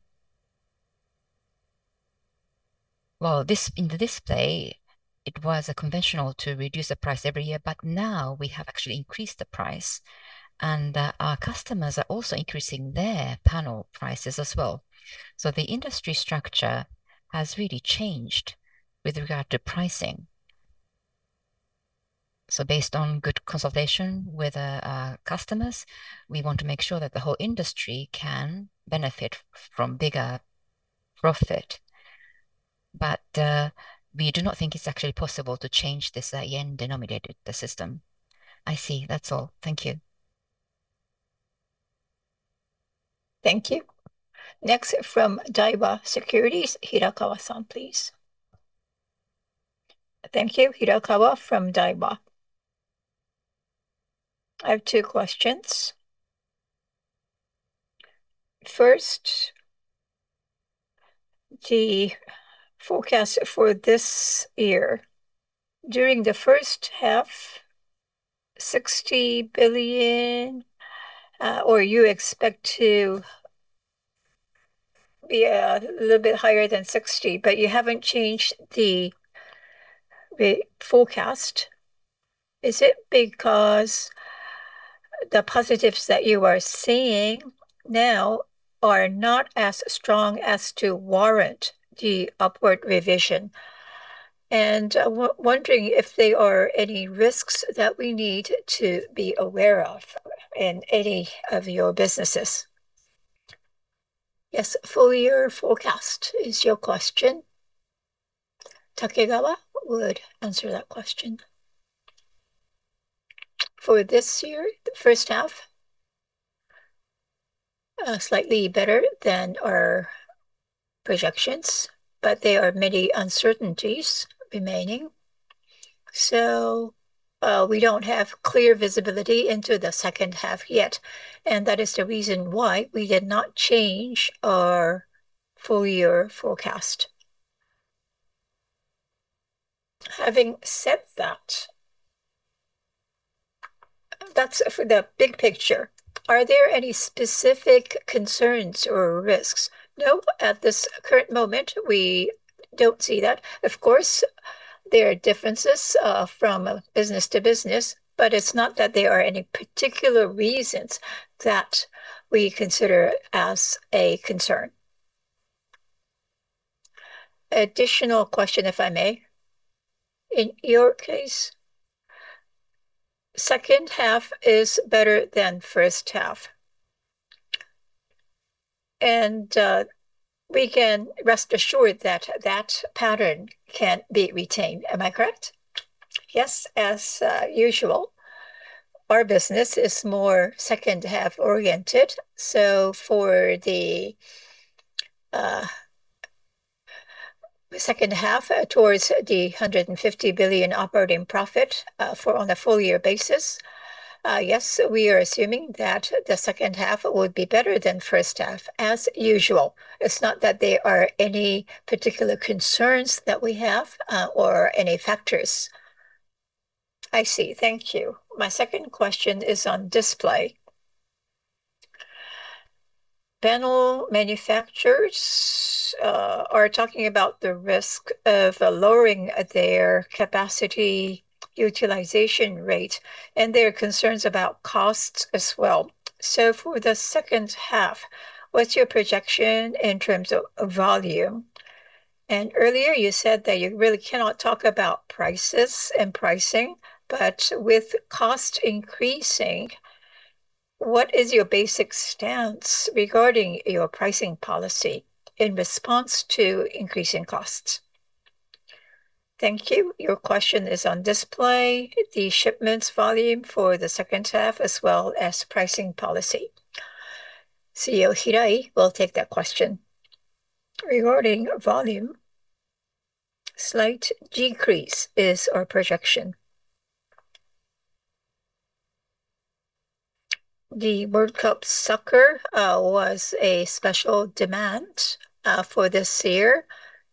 Speaker 3: well, in the display, it was conventional to reduce the price every year, but now we have actually increased the price, and our customers are also increasing their panel prices as well. The industry structure has really changed with regard to pricing. Based on good consultation with our customers, we want to make sure that the whole industry can benefit from bigger profit. We do not think it's actually possible to change this yen-denominated system.
Speaker 9: I see. That's all. Thank you.
Speaker 1: Thank you. Next from Daiwa Securities, Hirakawa-san, please.
Speaker 10: Thank you. Hirakawa from Daiwa. I have two questions. The forecast for this year. During the first half, 60 billion, or you expect to be a little bit higher than 60 billion, but you haven't changed the forecast. Is it because the positives that you are seeing now are not as strong as to warrant the upward revision? Wondering if there are any risks that we need to be aware of in any of your businesses.
Speaker 1: Full year forecast is your question. Takegawa would answer that question.
Speaker 2: For this year, the first half, slightly better than our projections, but there are many uncertainties remaining. We don't have clear visibility into the second half yet, and that is the reason why we did not change our full-year forecast.
Speaker 10: Having said that's for the big picture. Are there any specific concerns or risks?
Speaker 2: No, at this current moment, we don't see that. Of course, there are differences from business to business, but it's not that there are any particular reasons that we consider as a concern.
Speaker 10: Additional question, if I may. In your case, second half is better than first half. We can rest assured that that pattern can be retained. Am I correct?
Speaker 2: Yes. As usual, our business is more second half oriented. For the second half, towards the 150 billion operating profit on a full year basis, yes, we are assuming that the second half would be better than first half, as usual. It's not that there are any particular concerns that we have or any factors.
Speaker 10: I see. Thank you. My second question is on display. Panel manufacturers are talking about the risk of lowering their capacity utilization rate, and there are concerns about costs as well. For the second half, what's your projection in terms of volume? Earlier you said that you really cannot talk about prices and pricing, but with cost increasing, what is your basic stance regarding your pricing policy in response to increasing costs?
Speaker 1: Thank you. Your question is on display, the shipments volume for the second half, as well as pricing policy. CEO Hirai will take that question.
Speaker 3: Regarding volume, slight decrease is our projection. The World Cup soccer was a special demand for this year,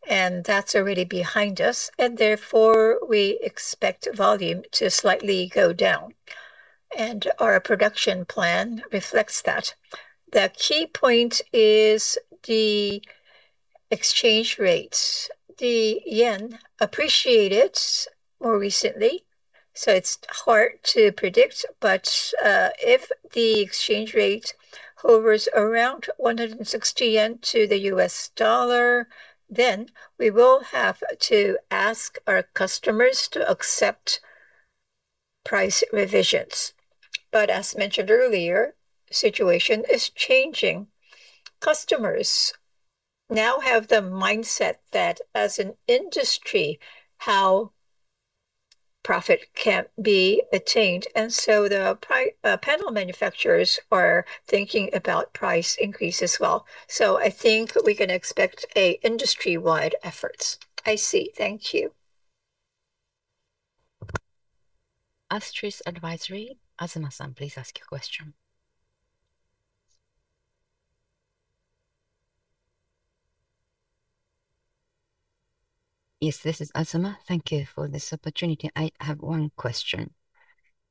Speaker 3: and that's already behind us. Therefore, we expect volume to slightly go down. Our production plan reflects that. The key point is the exchange rates. The yen appreciated more recently, so it is hard to predict. If the exchange rate hovers around 160 yen to the US dollar, then we will have to ask our customers to accept price revisions. As mentioned earlier, situation is changing. Customers now have the mindset that as an industry, how profit can be attained, the panel manufacturers are thinking about price increase as well. I think we can expect a industry-wide efforts.
Speaker 10: I see. Thank you.
Speaker 1: Astris Advisory, Asama-san, please ask your question.
Speaker 11: Yes, this is Asama. Thank you for this opportunity. I have one question.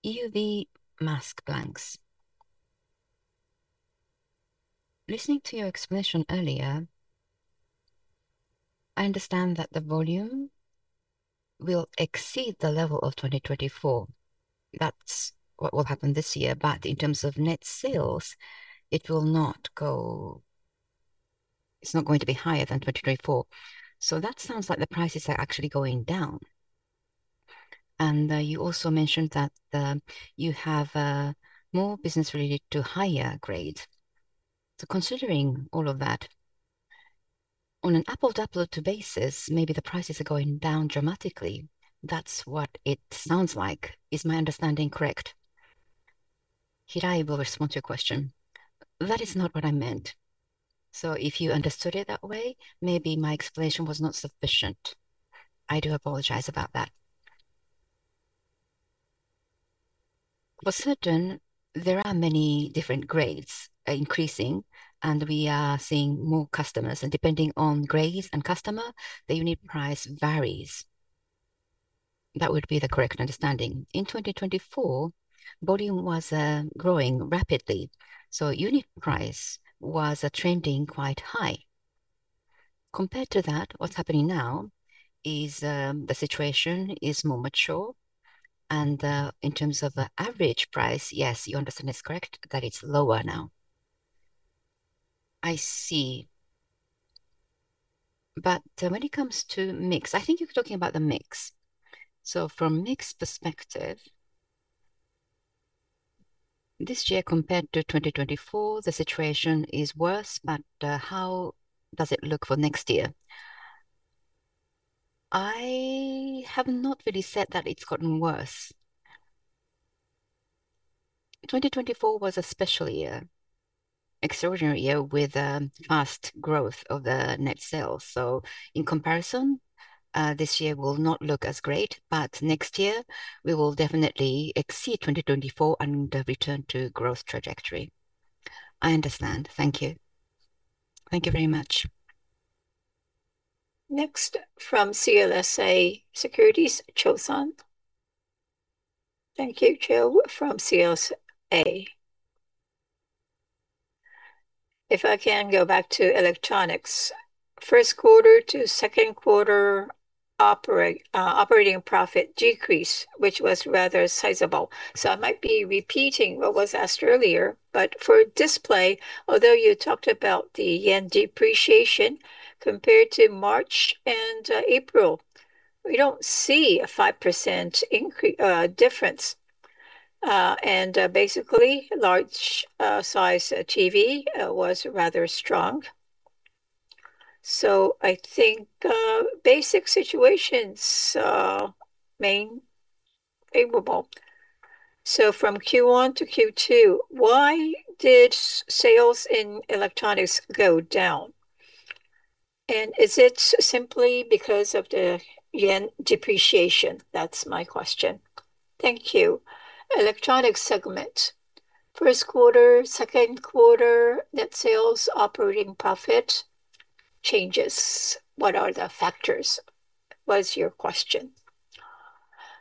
Speaker 11: EUVL mask blanks. Listening to your explanation earlier, I understand that the volume will exceed the level of 2024. That is what will happen this year, in terms of net sales, it is not going to be higher than 2024. That sounds like the prices are actually going down. You also mentioned that you have more business related to higher grade. Considering all of that, on an apple to apple to basis, maybe the prices are going down dramatically. That is what it sounds like. Is my understanding correct?
Speaker 1: Hirai will respond to your question.
Speaker 3: That is not what I meant. If you understood it that way, maybe my explanation was not sufficient. I do apologize about that. For certain, there are many different grades increasing, we are seeing more customers. Depending on grades and customer, the unit price varies. That would be the correct understanding. In 2024, volume was growing rapidly, unit price was trending quite high. Compared to that, what is happening now is the situation is more mature, in terms of the average price, yes, your understanding is correct that it is lower now.
Speaker 11: I see. When it comes to mix, I think you're talking about the mix. From mix perspective, this year compared to 2024, the situation is worse, but how does it look for next year?
Speaker 3: I have not really said that it's gotten worse. 2024 was a special year, extraordinary year with fast growth of the net sales. In comparison, this year will not look as great, but next year we will definitely exceed 2024 and return to growth trajectory.
Speaker 11: I understand. Thank you.
Speaker 3: Thank you very much.
Speaker 1: Next from CLSA Securities, Cho-san.
Speaker 12: Thank you. Cho from CLSA. If I can go back to Electronics, first quarter to second quarter operating profit decrease, which was rather sizable. I might be repeating what was asked earlier, but for display, although you talked about the yen depreciation compared to March and April, we don't see a 5% difference. Basically, large size TV was rather strong. I think basic situations remain favorable. From Q1-Q2, why did sales in Electronics go down? Is it simply because of the yen depreciation? That's my question.
Speaker 1: Thank you. Electronic segment, first quarter, second quarter, net sales, operating profit changes. What are the factors? Was your question.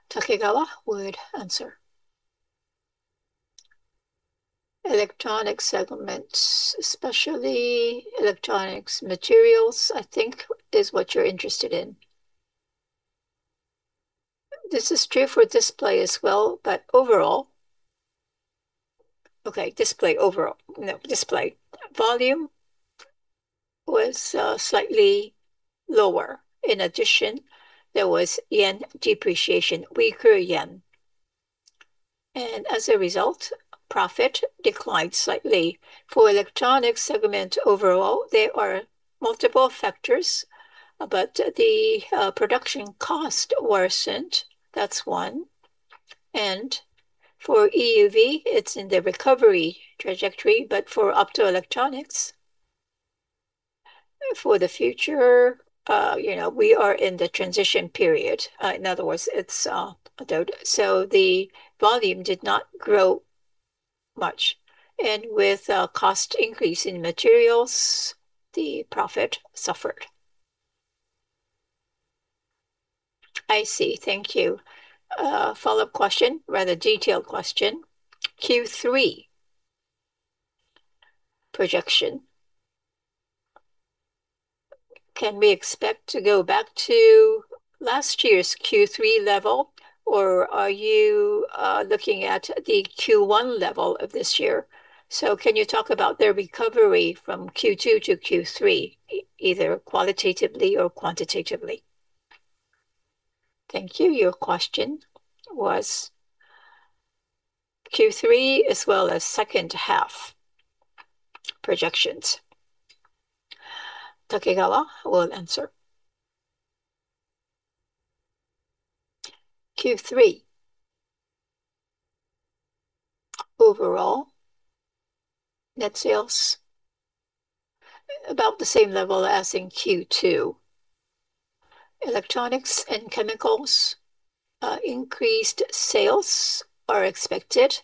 Speaker 1: Takegawa would answer.
Speaker 2: Electronic segments, especially electronics materials, I think is what you're interested in. This is true for display as well, but overall, display volume was slightly lower. In addition, there was yen depreciation, weaker yen. As a result, profit declined slightly. For electronic segment overall, there are multiple factors, but the production cost worsened, that's one. For EUV, it's in the recovery trajectory, but for optoelectronics, for the future we are in the transition period. In other words, it's a doubt. The volume did not grow much. With cost increase in materials, the profit suffered.
Speaker 12: I see. Thank you. Follow-up question, rather detailed question. Q3 projection. Can we expect to go back to last year's Q3 level, or are you looking at the Q1 level of this year? Can you talk about their recovery from Q2-Q3, either qualitatively or quantitatively?
Speaker 1: Thank you. Your question was Q3 as well as second half projections. Takegawa will answer.
Speaker 2: Q3. Overall net sales, about the same level as in Q2. Electronics and Chemicals increased sales are expected,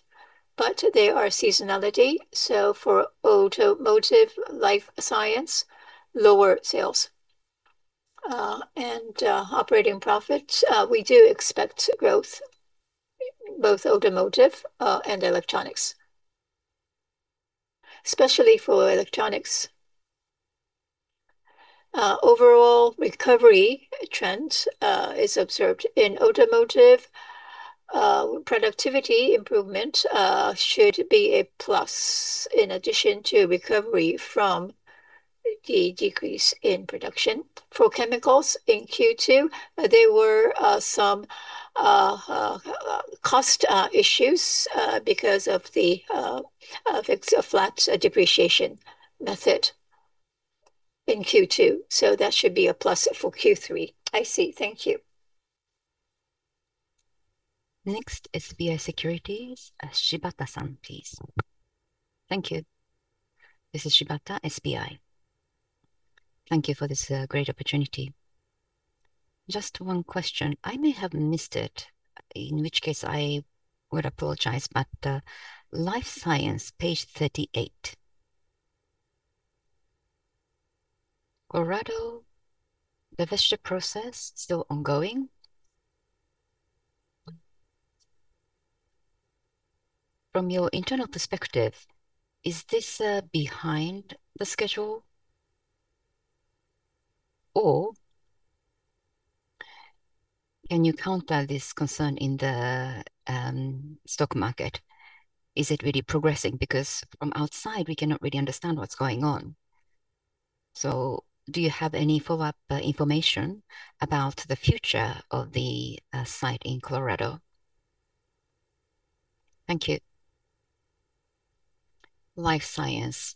Speaker 2: but they are seasonality, so for Automotive, Life Science, lower sales. Operating profit, we do expect growth in both Automotive and Electronics, especially for Electronics. Overall recovery trend is observed in Automotive. Productivity improvement should be a plus in addition to recovery from the decrease in production. For Chemicals in Q2, there were some cost issues because of a flat depreciation method in Q2, so that should be a plus for Q3.
Speaker 12: I see. Thank you.
Speaker 1: Next, SBI Securities. Shibata-san, please.
Speaker 13: Thank you. This is Shibata, SBI. Thank you for this great opportunity. Just one question. I may have missed it, in which case I would apologize, but life science, page 38. Colorado, the divestiture process still ongoing. From your internal perspective, is this behind the schedule? Can you counter this concern in the stock market? Is it really progressing? From outside, we cannot really understand what's going on. Do you have any follow-up information about the future of the site in Colorado?
Speaker 1: Thank you. Life science.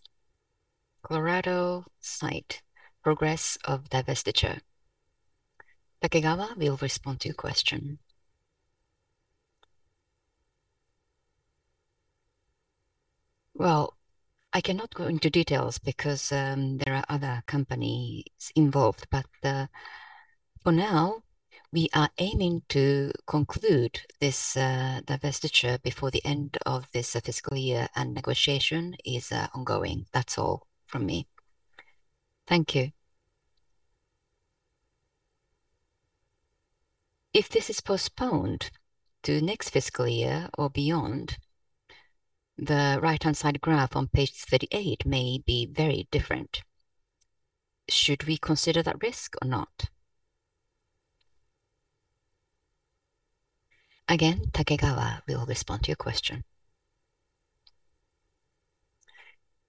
Speaker 1: Colorado site progress of divestiture. Takegawa will respond to your question.
Speaker 2: Well, I cannot go into details because there are other companies involved, but for now, we are aiming to conclude this divestiture before the end of this fiscal year, and negotiation is ongoing. That's all from me. Thank you.
Speaker 13: If this is postponed to next fiscal year or beyond, the right-hand side graph on page 38 may be very different. Should we consider that risk or not?
Speaker 1: Again, Takegawa will respond to your question.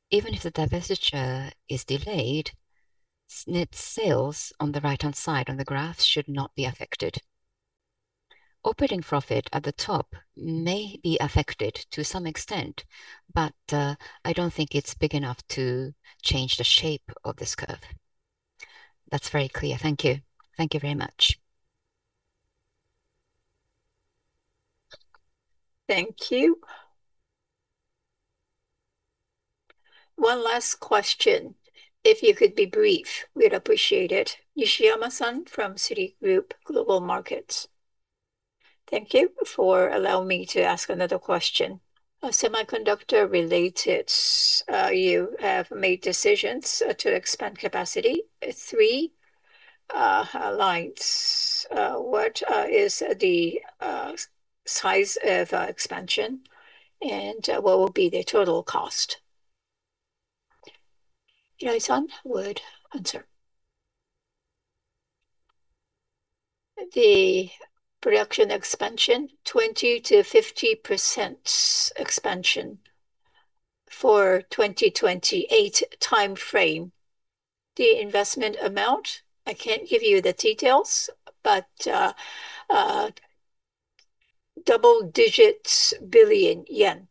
Speaker 2: Even if the divestiture is delayed, net sales on the right-hand side on the graph should not be affected. Operating profit at the top may be affected to some extent, but I don't think it's big enough to change the shape of this curve.
Speaker 13: That's very clear. Thank you. Thank you very much.
Speaker 1: Thank you. One last question. If you could be brief, we'd appreciate it. Nishiyama-san from Citigroup Global Markets.
Speaker 6: Thank you for allowing me to ask another question. Semiconductor related, you have made decisions to expand capacity, three lines. What is the size of expansion, and what will be the total cost?
Speaker 1: Yoshio-san would answer.
Speaker 2: The production expansion, 20%-50% expansion for 2028 timeframe. The investment amount, I can't give you the details, but double digits billion yen.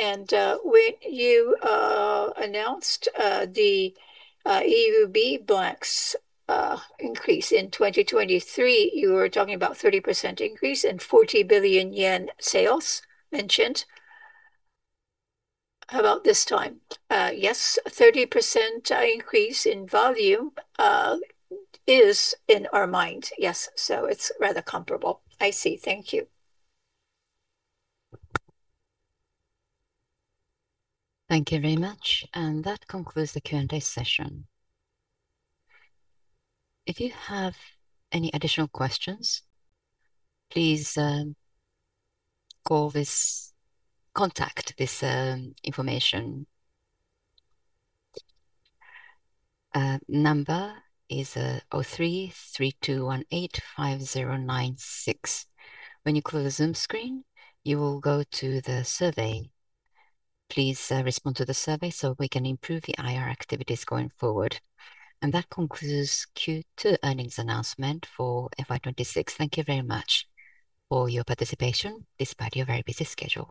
Speaker 2: When you announced the EUV blanks increase in 2023, you were talking about 30% increase and 40 billion yen sales mentioned. How about this time? Yes, 30% increase in volume is in our mind. Yes, it's rather comparable.
Speaker 6: I see. Thank you.
Speaker 1: Thank you very much. That concludes the Q&A session. If you have any additional questions, please contact this information number. It's 03-3218-5096. When you close the Zoom screen, you will go to the survey. Please respond to the survey so we can improve the IR activities going forward. That concludes Q2 earnings announcement for FY 2026. Thank you very much for your participation despite your very busy schedule